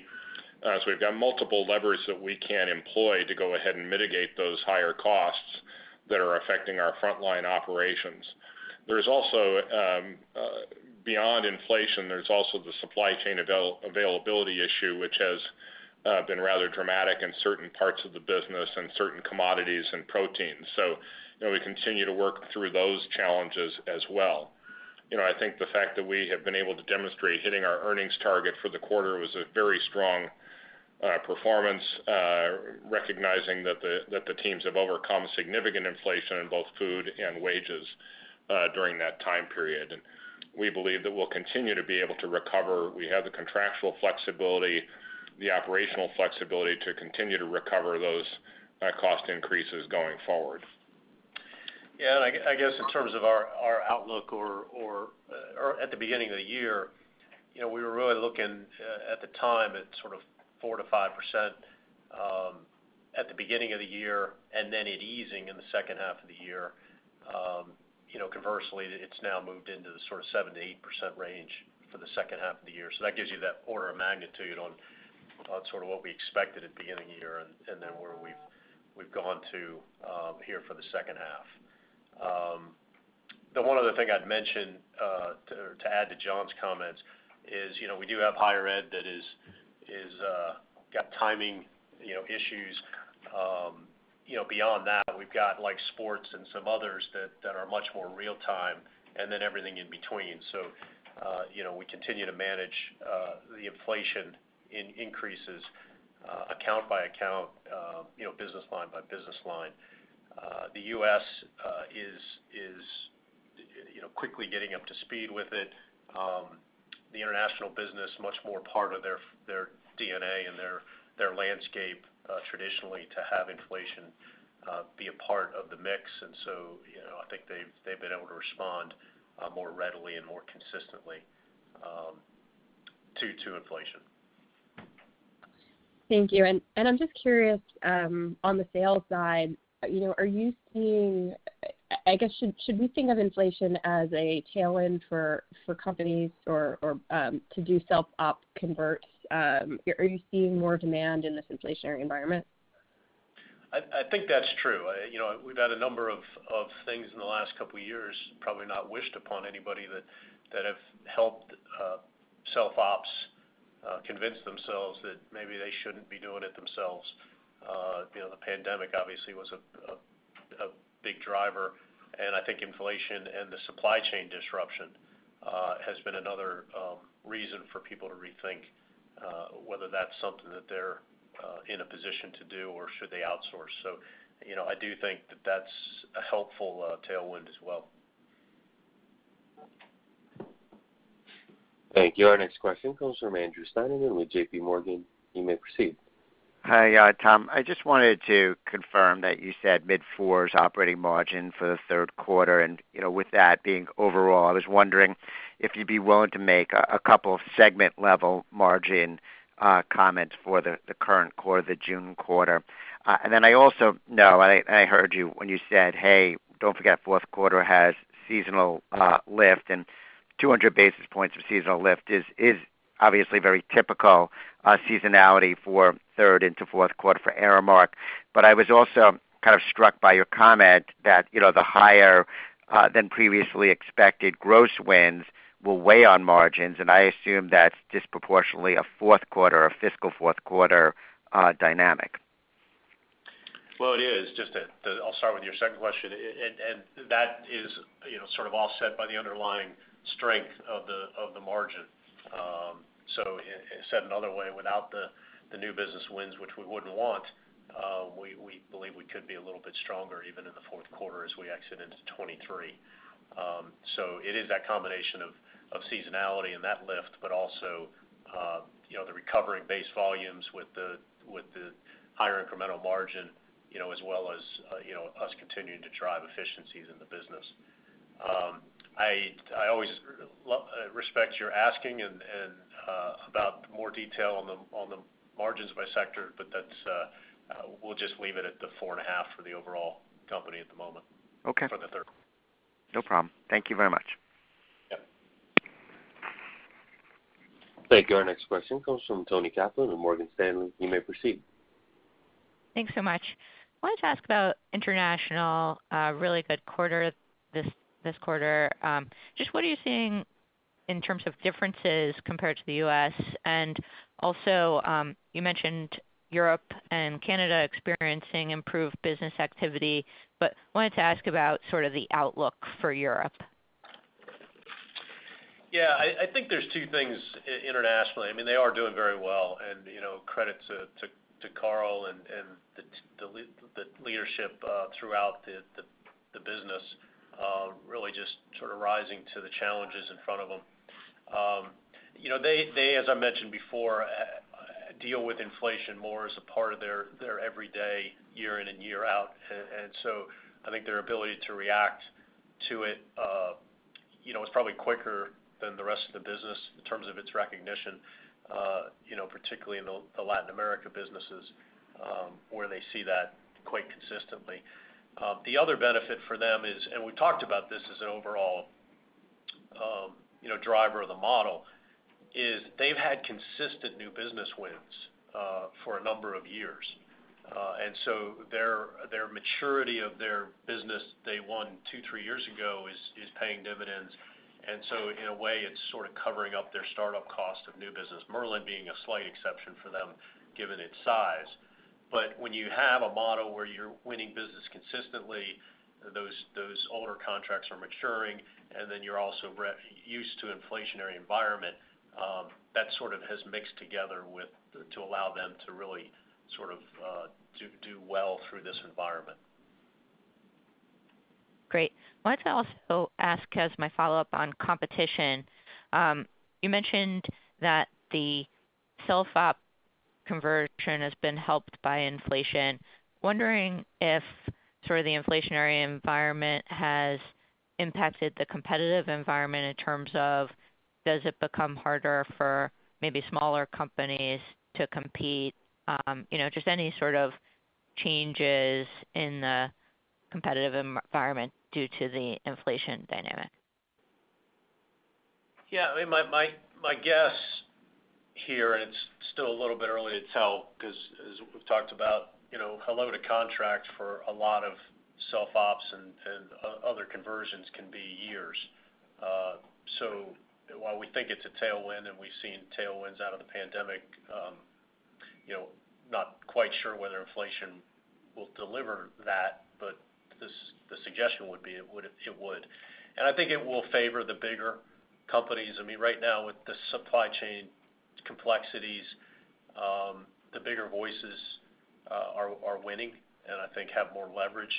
S3: We've got multiple levers that we can employ to go ahead and mitigate those higher costs that are affecting our frontline operations. There's also beyond inflation, there's also the supply chain availability issue, which has been rather dramatic in certain parts of the business and certain commodities and proteins. You know, we continue to work through those challenges as well. You know, I think the fact that we have been able to demonstrate hitting our earnings target for the quarter was a very strong performance, recognizing that the teams have overcome significant inflation in both food and wages during that time period. We believe that we'll continue to be able to recover. We have the contractual flexibility, the operational flexibility to continue to recover those cost increases going forward.
S4: Yeah. I guess in terms of our outlook for at the beginning of the year, you know, we were really looking at the time at sort of 4%-5% at the beginning of the year, and then it easing in the second half of the year. You know, conversely, it's now moved into the sort of 7%-8% range for the second half of the year. That gives you that order of magnitude on sort of what we expected at the beginning of the year and then where we've gone to here for the second half. The one other thing I'd mention to add to John's comments is, you know, we do have higher ed that is got timing issues. You know, beyond that, we've got like sports and some others that are much more real time and then everything in between. We continue to manage the inflation and increases account by account, you know, business line by business line. The U.S. is you know, quickly getting up to speed with it. The international business, much more part of their DNA and their landscape, traditionally to have inflation be a part of the mix. You know, I think they've been able to respond more readily and more consistently to inflation.
S9: Thank you. I'm just curious, on the sales side, you know, I guess, should we think of inflation as a tailwind for companies or to do self op converts? Are you seeing more demand in this inflationary environment?
S4: I think that's true. You know, we've had a number of things in the last couple of years, probably not wished upon anybody that have helped self-ops convince themselves that maybe they shouldn't be doing it themselves. You know, the pandemic obviously was a big driver, and I think inflation and the supply chain disruption has been another reason for people to rethink whether that's something that they're in a position to do or should they outsource. You know, I do think that that's a helpful tailwind as well.
S1: Thank you. Our next question comes from Andrew Steinerman with JPMorgan. You may proceed.
S10: Hi, Tom. I just wanted to confirm that you said mid-fours operating margin for the third quarter. You know, with that being overall, I was wondering if you'd be willing to make a couple of segment level margin comments for the current quarter, the June quarter. I also know, and I heard you when you said, "Hey, don't forget fourth quarter has seasonal lift," and 200 basis points of seasonal lift is obviously very typical seasonality for third into fourth quarter for Aramark. I was also kind of struck by your comment that, you know, the higher than previously expected gross wins will weigh on margins, and I assume that's disproportionately a fourth quarter, a fiscal fourth quarter, dynamic.
S4: Well, it is. I'll start with your second question. That is, you know, sort of offset by the underlying strength of the margin. Said another way, without the new business wins, which we wouldn't want, we believe we could be a little bit stronger even in the fourth quarter as we exit into 2023. It is that combination of seasonality and that lift, but also, you know, the recovery base volumes with the higher incremental margin, you know, as well as, you know, us continuing to drive efficiencies in the business. I always respect your asking and about more detail on the margins by sector, but that's. We'll just leave it at the 4.5% for the overall company at the moment.
S10: Okay.
S4: For the third quarter.
S10: No problem. Thank you very much.
S4: Yeah.
S1: Thank you. Our next question comes from Toni Kaplan with Morgan Stanley. You may proceed.
S11: Thanks so much. Wanted to ask about international, really good quarter this quarter. Just what are you seeing in terms of differences compared to the U.S.? Also, you mentioned Europe and Canada experiencing improved business activity, but wanted to ask about sort of the outlook for Europe.
S4: Yeah. I think there's two things internationally. I mean, they are doing very well and, you know, credit to Carl and the leadership throughout the business really just sort of rising to the challenges in front of them. You know, they, as I mentioned before, deal with inflation more as a part of their everyday, year in and year out. I think their ability to react to it, you know, is probably quicker than the rest of the business in terms of its recognition, you know, particularly in the Latin America businesses, where they see that quite consistently. The other benefit for them is, and we talked about this as an overall, you know, driver of the model, is they've had consistent new business wins for a number of years. Their maturity of their business they won two, three years ago is paying dividends. In a way, it's sort of covering up their startup cost of new business, Merlin being a slight exception for them given its size. When you have a model where you're winning business consistently, those older contracts are maturing, and then you're also used to inflationary environment, that sort of has mixed together to allow them to really sort of do well through this environment.
S11: Great. Wanted to also ask as my follow-up on competition. You mentioned that the self-op conversion has been helped by inflation. Wondering if sort of the inflationary environment has impacted the competitive environment in terms of does it become harder for maybe smaller companies to compete? You know, just any sort of changes in the competitive environment due to the inflation dynamic.
S4: Yeah. I mean, my guess here, and it's still a little bit early to tell because as we've talked about, you know, how long to contract for a lot of self-ops and other conversions can be years. So while we think it's a tailwind and we've seen tailwinds out of the pandemic, you know, not quite sure whether inflation will deliver that, but the suggestion would be it would. I think it will favor the bigger companies. I mean, right now with the supply chain complexities, the bigger boys are winning and I think have more leverage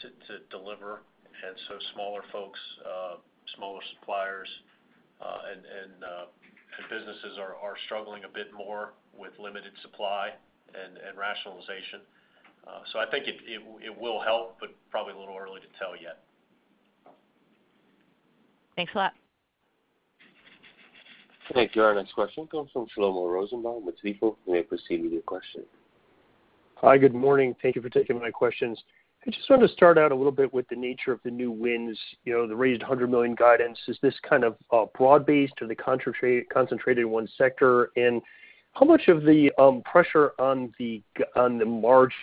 S4: to deliver. Smaller folks, smaller suppliers and businesses are struggling a bit more with limited supply and rationalization. I think it will help, but probably a little early to tell yet.
S11: Thanks a lot.
S1: Thank you. Our next question comes from Shlomo Rosenbaum with Stifel. You may proceed with your question.
S12: Hi. Good morning. Thank you for taking my questions. I just wanted to start out a little bit with the nature of the new wins. You know, the raised $100 million guidance, is this kind of broad-based? Are they concentrated in one sector? How much of the pressure on the margins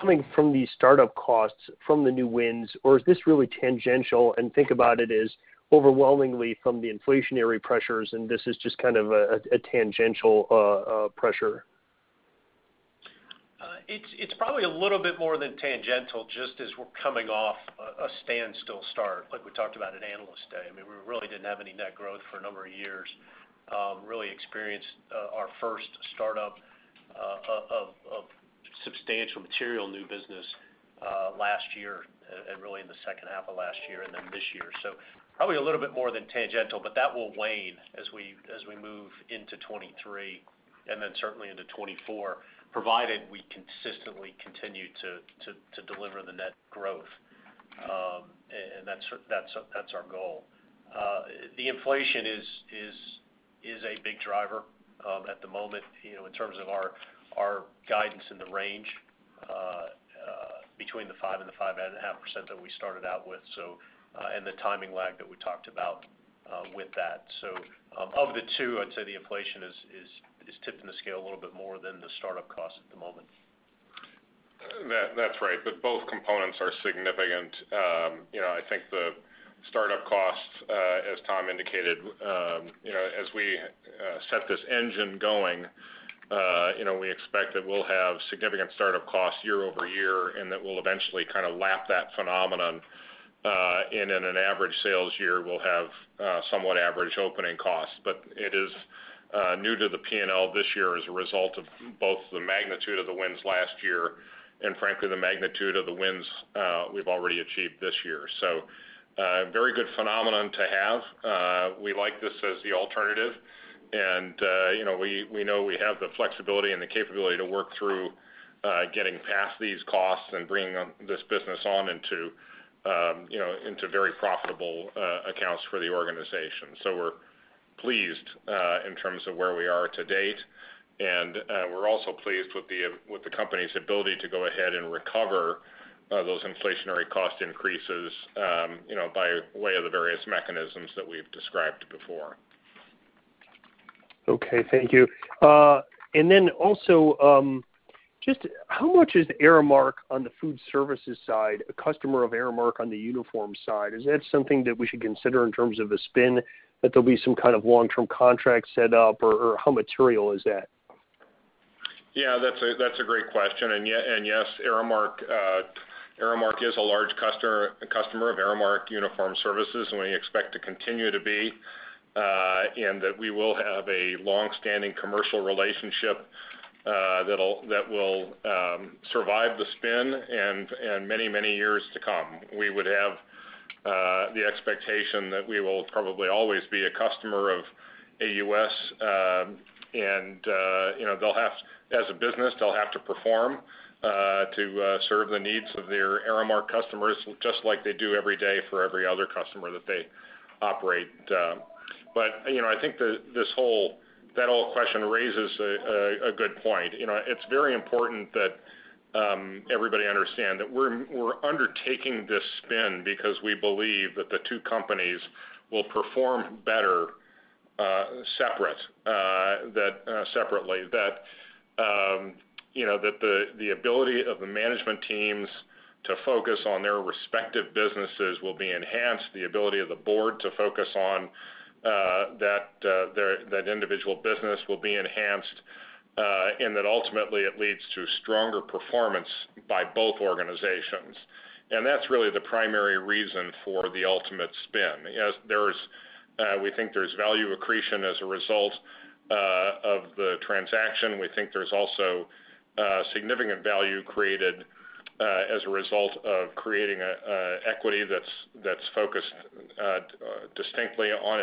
S12: coming from the startup costs from the new wins, or is this really tangential and think about it as overwhelmingly from the inflationary pressures, and this is just kind of a tangential pressure?
S4: It's probably a little bit more than tangential just as we're coming off a standstill start, like we talked about at Analyst Day. I mean, we really didn't have any net growth for a number of years, really experienced our first startup of substantial material new business last year and really in the second half of last year and then this year. Probably a little bit more than tangential, but that will wane as we move into 2023, and then certainly into 2024, provided we consistently continue to deliver the net growth. And that's our goal. The inflation is a big driver at the moment, you know, in terms of our guidance in the range between 5% and 5.5% that we started out with, and the timing lag that we talked about with that. Of the two, I'd say the inflation is tipping the scale a little bit more than the startup costs at the moment.
S3: That's right. Both components are significant. I think the startup costs, as Tom indicated, as we set this engine going, we expect that we'll have significant startup costs year over year, and that we'll eventually kind of lap that phenomenon, and in an average sales year, we'll have somewhat average opening costs. It is new to the P&L this year as a result of both the magnitude of the wins last year and frankly, the magnitude of the wins we've already achieved this year. Very good phenomenon to have. We like this as the alternative. You know, we know we have the flexibility and the capability to work through getting past these costs and bringing them, this business on into you know, into very profitable accounts for the organization. So we're pleased in terms of where we are to date. We're also pleased with the company's ability to go ahead and recover those inflationary cost increases you know, by way of the various mechanisms that we've described before.
S12: Okay, thank you. Just how much is Aramark on the food services side, a customer of Aramark on the uniform side? Is that something that we should consider in terms of a spin, that there'll be some kind of long-term contract set up, or how material is that?
S3: Yeah, that's a great question. Yeah, yes, Aramark is a large customer of Aramark Uniform Services, and we expect to continue to be, and that we will have a long-standing commercial relationship that will survive the spin and many years to come. We would have the expectation that we will probably always be a customer of AUS. You know, as a business, they'll have to perform to serve the needs of their Aramark customers, just like they do every day for every other customer that they operate. You know, I think that whole question raises a good point. You know, it's very important that everybody understand that we're undertaking this spin because we believe that the two companies will perform better separately. That you know that the ability of the management teams to focus on their respective businesses will be enhanced, the ability of the board to focus on their individual business will be enhanced, and that ultimately it leads to stronger performance by both organizations. That's really the primary reason for the ultimate spin. We think there's value accretion as a result of the transaction. We think there's also significant value created as a result of creating a equity that's focused distinctly on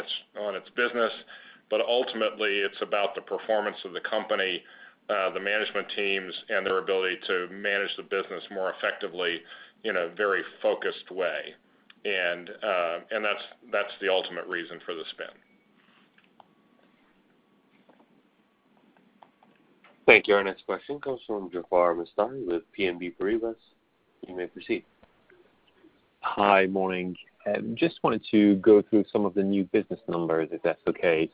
S3: its business. Ultimately, it's about the performance of the company, the management teams and their ability to manage the business more effectively in a very focused way. That's the ultimate reason for the spin.
S1: Thank you. Our next question comes from Jaafar Mestari with BNP Paribas. You may proceed.
S13: Hi. Morning. Just wanted to go through some of the new business numbers, if that's okay.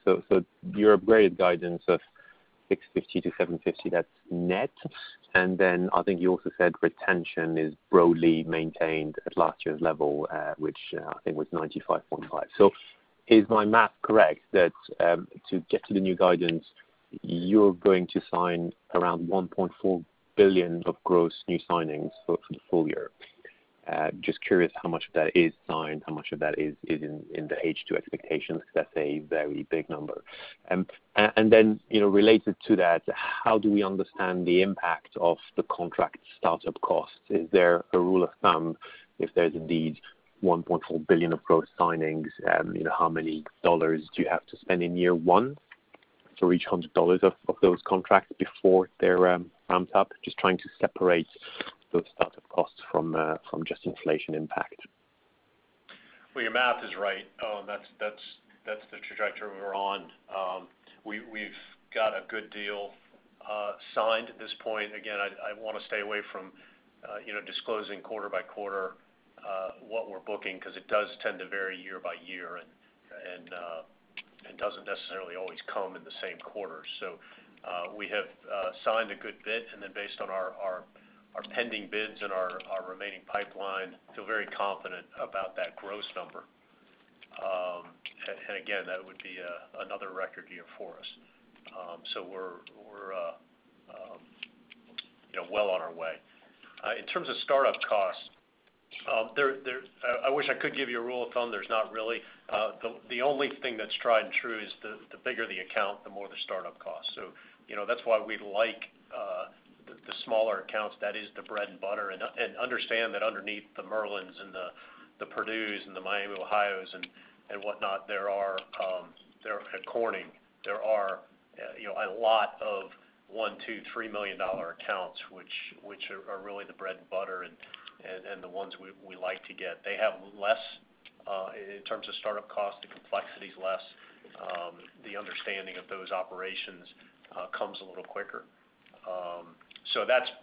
S13: Your upgraded guidance of $650 million-$750 million, that's net. I think you also said retention is broadly maintained at last year's level, which I think was 95.5%. Is my math correct that to get to the new guidance, you're going to sign around $1.4 billion of gross new signings for the full year? Just curious how much of that is signed, how much of that is in the H2 expectations? That's a very big number. You know, related to that, how do we understand the impact of the contract startup costs? Is there a rule of thumb if there's indeed $1.4 billion of gross signings, you know, how many dollars do you have to spend in year one to reach $100 of those contracts before they're ramped up? Just trying to separate those startup costs from just inflation impact.
S4: Well, your math is right, that's the trajectory we're on. We've got a good deal signed at this point. Again, I wanna stay away from, you know, disclosing quarter by quarter what we're booking 'cause it does tend to vary year by year. It doesn't necessarily always come in the same quarter. We have signed a good bit, and then based on our pending bids and our remaining pipeline, feel very confident about that gross number. Again, that would be another record year for us. We're, you know, well on our way. In terms of startup costs, I wish I could give you a rule of thumb. There's not really. The only thing that's tried and true is the bigger the account, the more the startup cost. You know, that's why we like the smaller accounts. That is the bread and butter. Understand that underneath the Merlin Entertainments and the Purdue University and the Miami University and whatnot and Corning, there are, you know, a lot of $1 million, $2 million, $3 million accounts, which are really the bread and butter and the ones we like to get. They have less in terms of startup cost, the complexity is less.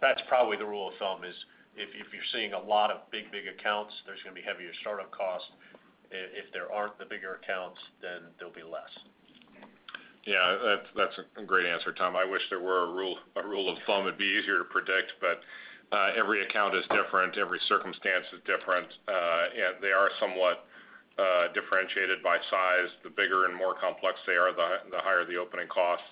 S4: That's probably the rule of thumb is if you're seeing a lot of big accounts, there's gonna be heavier startup costs. If there aren't the bigger accounts, then they'll be less.
S3: That's a great answer, Tom. I wish there were a rule of thumb. It'd be easier to predict, but every account is different, every circumstance is different. They are somewhat differentiated by size. The bigger and more complex they are, the higher the opening costs.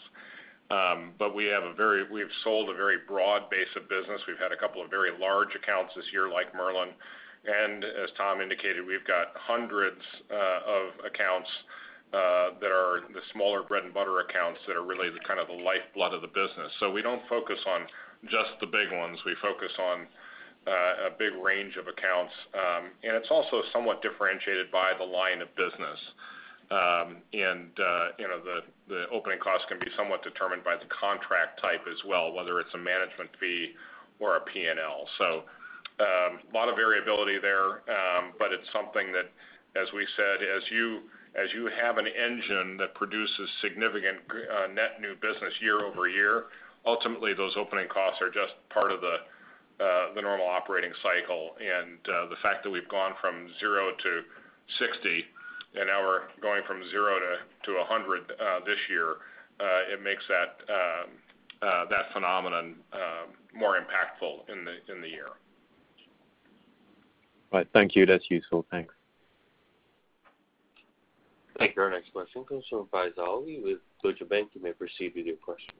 S3: We've sold a very broad base of business. We've had a couple of very large accounts this year, like Merlin. As Tom indicated, we've got hundreds of accounts that are the smaller bread and butter accounts that are really kind of the lifeblood of the business. We don't focus on just the big ones. We focus on a big range of accounts. It's also somewhat differentiated by the line of business. You know, the opening costs can be somewhat determined by the contract type as well, whether it's a management fee or a P&L. A lot of variability there. It's something that, as we said, as you have an engine that produces significant net new business year-over-year, ultimately, those opening costs are just part of the normal operating cycle. The fact that we've gone from 0 to 60, and now we're going from 0 to 100 this year, it makes that phenomenon more impactful in the year.
S13: All right. Thank you. That's useful. Thanks.
S1: Thank you. Our next question comes from Faiza Alwy with Deutsche Bank. You may proceed with your question.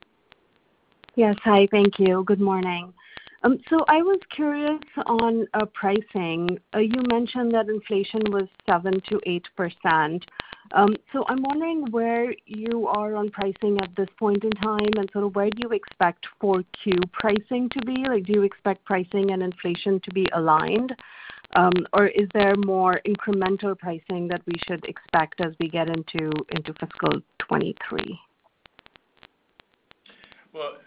S14: Yes. Hi. Thank you. Good morning. I was curious on pricing. You mentioned that inflation was 7%-8%. I'm wondering where you are on pricing at this point in time, and sort of where do you expect 4Q pricing to be? Like, do you expect pricing and inflation to be aligned? Or is there more incremental pricing that we should expect as we get into fiscal 2023?
S4: Well,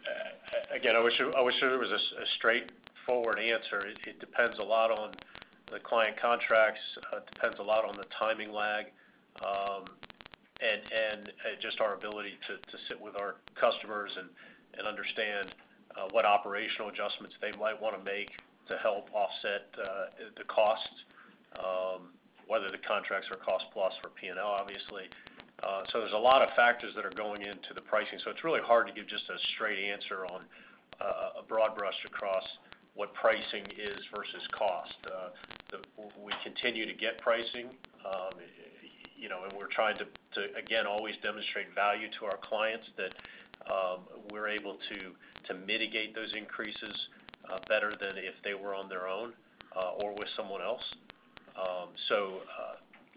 S4: again, I wish there was a straightforward answer. It depends a lot on the client contracts. It depends a lot on the timing lag and just our ability to sit with our customers and understand what operational adjustments they might wanna make to help offset the costs, whether the contracts are cost-plus for P&L, obviously. There's a lot of factors that are going into the pricing, so it's really hard to give just a straight answer on a broad brush across what pricing is versus cost. We continue to get pricing, you know, and we're trying to again always demonstrate value to our clients that we're able to mitigate those increases better than if they were on their own or with someone else.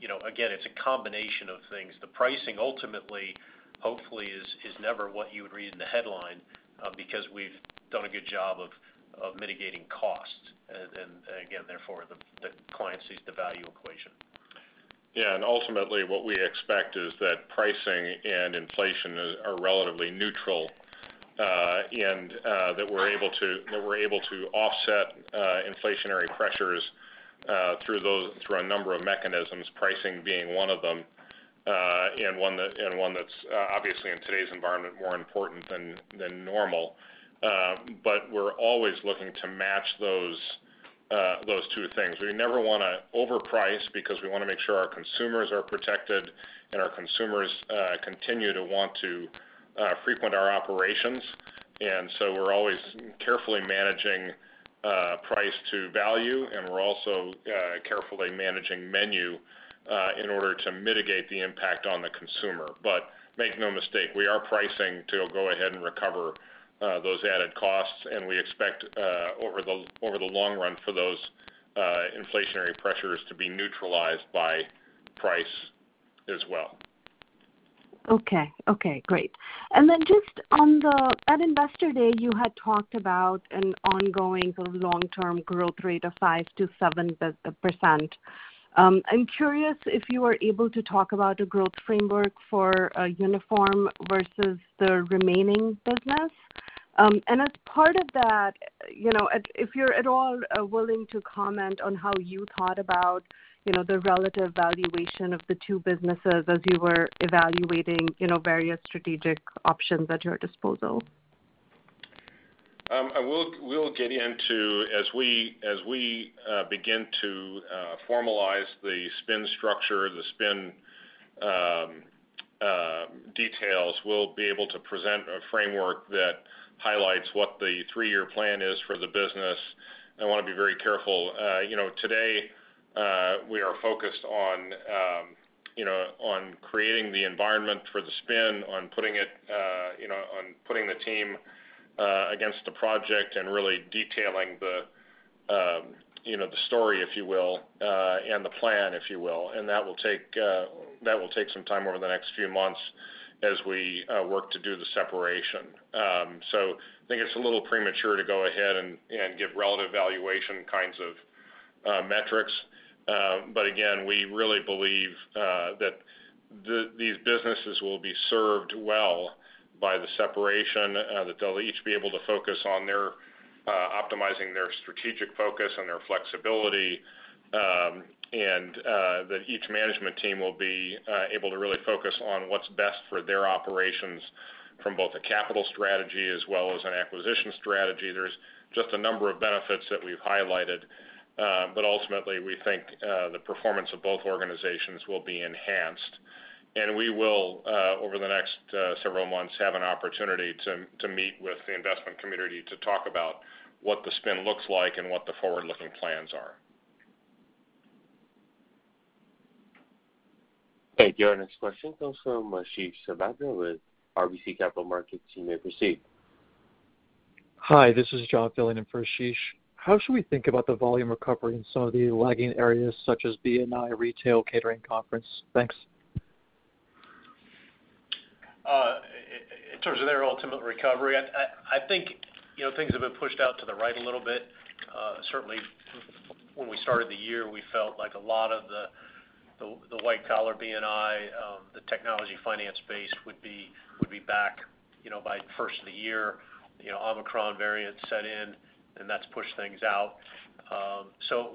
S4: You know, again, it's a combination of things. The pricing ultimately, hopefully is never what you would read in the headline, because we've done a good job of mitigating costs. Again, therefore, the client sees the value equation.
S3: Yeah. Ultimately, what we expect is that pricing and inflation are relatively neutral, and that we're able to offset inflationary pressures through a number of mechanisms, pricing being one of them, and one that's obviously in today's environment, more important than normal. But we're always looking to match those two things. We never wanna overprice because we wanna make sure our consumers are protected and our consumers continue to want to frequent our operations. We're always carefully managing price to value, and we're also carefully managing menu in order to mitigate the impact on the consumer. Make no mistake, we are pricing to go ahead and recover those added costs, and we expect, over the long run, for those inflationary pressures to be neutralized by price as well.
S14: Okay. Okay, great. Just on that at Investor Day, you had talked about an ongoing sort of long-term growth rate of 5%-7%. I'm curious if you are able to talk about a growth framework for Uniform versus the remaining business. As part of that, you know, if you're at all willing to comment on how you thought about, you know, the relative valuation of the two businesses as you were evaluating, you know, various strategic options at your disposal.
S3: We'll get into as we begin to formalize the spin structure, the spin details, we'll be able to present a framework that highlights what the three-year plan is for the business. I wanna be very careful. You know, today, we are focused on you know, on creating the environment for the spin, on putting it you know, on putting the team against the project and really detailing the you know, the story, if you will, and the plan, if you will. That will take some time over the next few months as we work to do the separation. So I think it's a little premature to go ahead and give relative valuation kinds of metrics. Again, we really believe that these businesses will be served well by the separation, that they'll each be able to focus on their optimizing their strategic focus and their flexibility, and that each management team will be able to really focus on what's best for their operations from both a capital strategy as well as an acquisition strategy. There's just a number of benefits that we've highlighted, but ultimately, we think the performance of both organizations will be enhanced. We will over the next several months have an opportunity to meet with the investment community to talk about what the spin looks like and what the forward-looking plans are.
S1: Thank you. Our next question comes from Ashish Sabadra with RBC Capital Markets. You may proceed.
S15: Hi, this is John filling in for Ashish. How should we think about the volume recovery in some of the lagging areas such as B&I, retail, catering, conference? Thanks.
S4: In terms of their ultimate recovery, I think, you know, things have been pushed out to the right a little bit. Certainly when we started the year, we felt like a lot of the white collar B&I, the technology finance space would be back, you know, by first of the year. You know, Omicron variant set in, and that's pushed things out.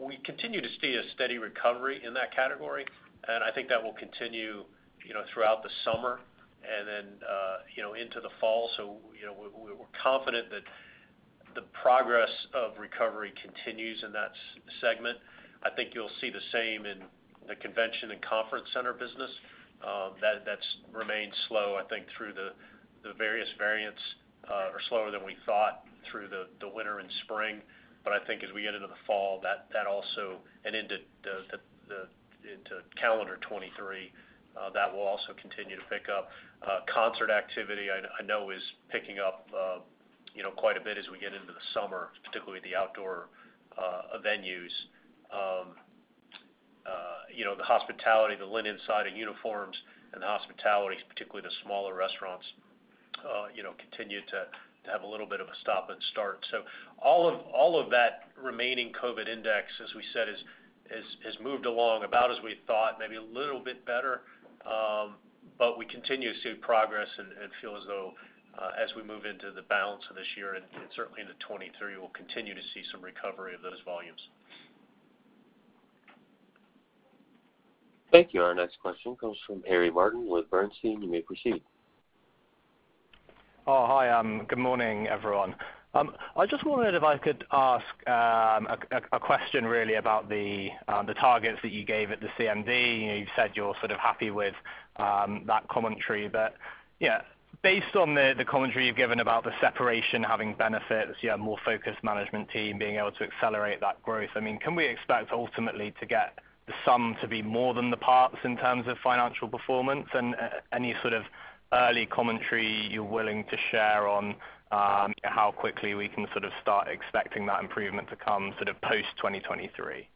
S4: We continue to see a steady recovery in that category, and I think that will continue, you know, throughout the summer and then, you know, into the fall. We're confident that the progress of recovery continues in that segment. I think you'll see the same in the convention and conference center business. That's remained slow, I think, through the various variants, or slower than we thought through the winter and spring. I think as we get into the fall, that also and into the into calendar 2023, that will also continue to pick up. Concert activity I know is picking up, you know, quite a bit as we get into the summer, particularly the outdoor venues. You know, the hospitality, the linen side of uniforms and the hospitalities, particularly the smaller restaurants, you know, continue to have a little bit of a stop and start. All of that remaining COVID index, as we said, has moved along about as we thought, maybe a little bit better. We continue to see progress and feel as though, as we move into the balance of this year and certainly into 2023, we'll continue to see some recovery of those volumes.
S1: Thank you. Our next question comes from Harry Martin with Bernstein. You may proceed.
S16: Oh, hi. Good morning, everyone. I just wondered if I could ask a quick question really about the targets that you gave at the CMD. You know, you said you're sort of happy with that commentary. Yeah, based on the commentary you've given about the separation having benefits, you have a more focused management team being able to accelerate that growth. I mean, can we expect ultimately to get the sum to be more than the parts in terms of financial performance? Any sort of early commentary you're willing to share on how quickly we can sort of start expecting that improvement to come sort of post 2023?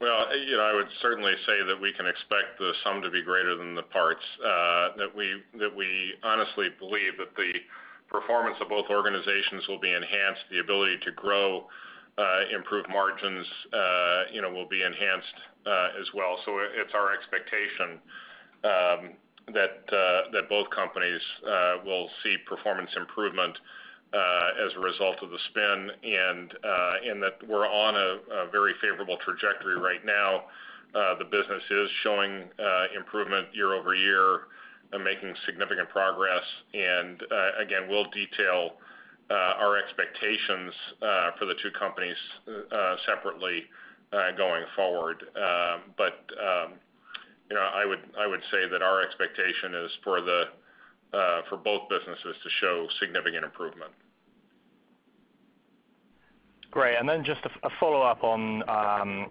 S3: Well, you know, I would certainly say that we can expect the sum to be greater than the parts, that we honestly believe that the performance of both organizations will be enhanced, the ability to grow, improve margins, you know, will be enhanced, as well. So it's our expectation that both companies will see performance improvement as a result of the spin and that we're on a very favorable trajectory right now. The business is showing improvement year-over-year and making significant progress. Again, we'll detail our expectations for the two companies separately going forward. You know, I would say that our expectation is for both businesses to show significant improvement.
S16: Great. Just a follow-up on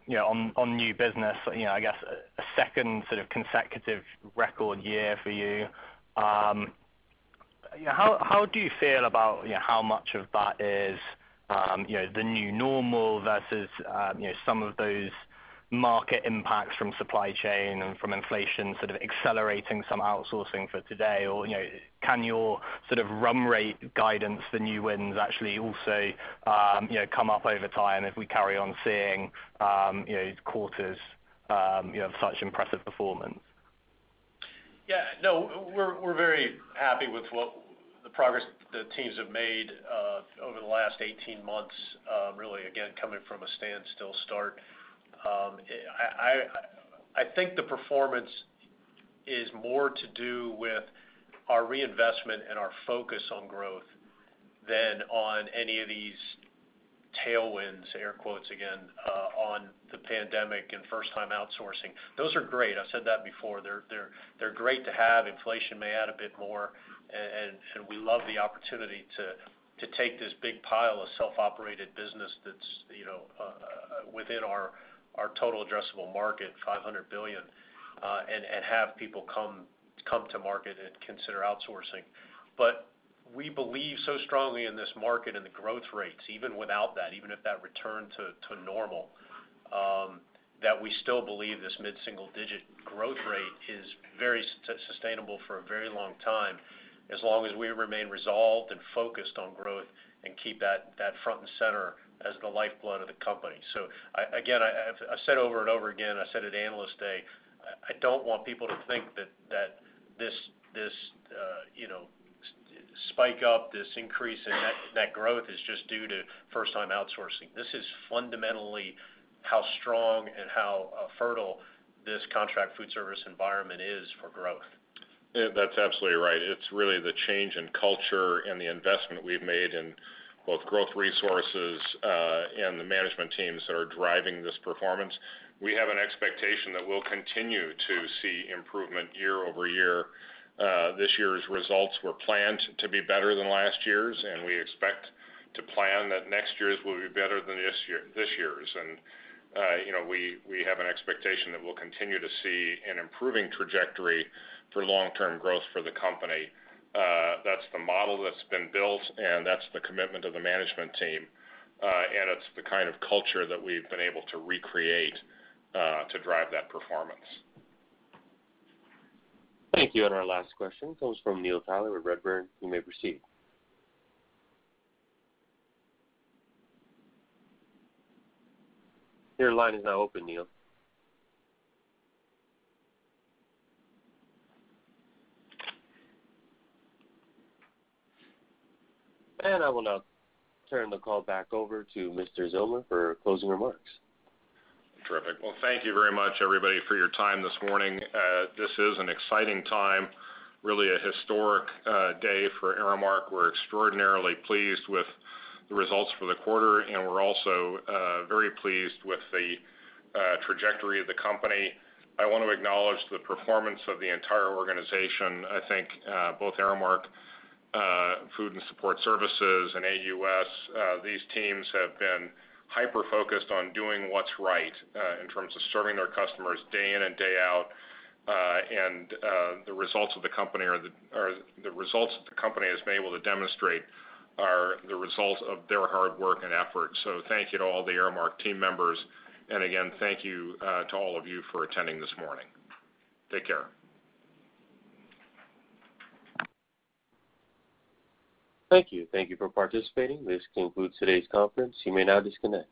S16: new business. You know, I guess a second sort of consecutive record year for you. You know, how do you feel about how much of that is the new normal versus some of those market impacts from supply chain and from inflation sort of accelerating some outsourcing for today? Or, you know, can your sort of run rate guidance, the new wins actually also come up over time if we carry on seeing quarters such impressive performance?
S4: Yeah. No, we're very happy with what the progress the teams have made over the last 18 months, really again, coming from a standstill start. I think the performance is more to do with our reinvestment and our focus on growth than on any of these tailwinds, air quotes again, on the pandemic and first time outsourcing. Those are great. I've said that before. They're great to have. Inflation may add a bit more, and we love the opportunity to take this big pile of self-operated business that's, you know, within our total addressable market, $500 billion, and have people come to market and consider outsourcing. We believe so strongly in this market and the growth rates, even without that, even if that returned to normal, that we still believe this mid-single digit growth rate is very sustainable for a very long time, as long as we remain resolved and focused on growth and keep that front and center as the lifeblood of the company. Again, I've said over and over again, I said at Analyst Day, I don't want people to think that this, you know, spike up, this increase in net growth is just due to first time outsourcing. This is fundamentally how strong and how fertile this contract food service environment is for growth.
S3: Yeah, that's absolutely right. It's really the change in culture and the investment we've made in both growth resources, and the management teams that are driving this performance. We have an expectation that we'll continue to see improvement year over year. This year's results were planned to be better than last year's, and we expect to plan that next year's will be better than this year, this year's. You know, we have an expectation that we'll continue to see an improving trajectory for long-term growth for the company. That's the model that's been built, and that's the commitment of the management team. It's the kind of culture that we've been able to recreate to drive that performance.
S1: Thank you. Our last question comes from Neil Tyler with Redburn. You may proceed. Your line is now open, Neil. I will now turn the call back over to Mr. Zillmer for closing remarks.
S3: Terrific. Well, thank you very much, everybody, for your time this morning. This is an exciting time, really a historic day for Aramark. We're extraordinarily pleased with the results for the quarter, and we're also very pleased with the trajectory of the company. I wanna acknowledge the performance of the entire organization. I think both Aramark Food and Support Services and AUS, these teams have been hyper-focused on doing what's right in terms of serving their customers day in and day out. The results that the company has been able to demonstrate are the results of their hard work and effort. Thank you to all the Aramark team members. Again, thank you to all of you for attending this morning. Take care.
S1: Thank you. Thank you for participating. This concludes today's conference. You may now disconnect.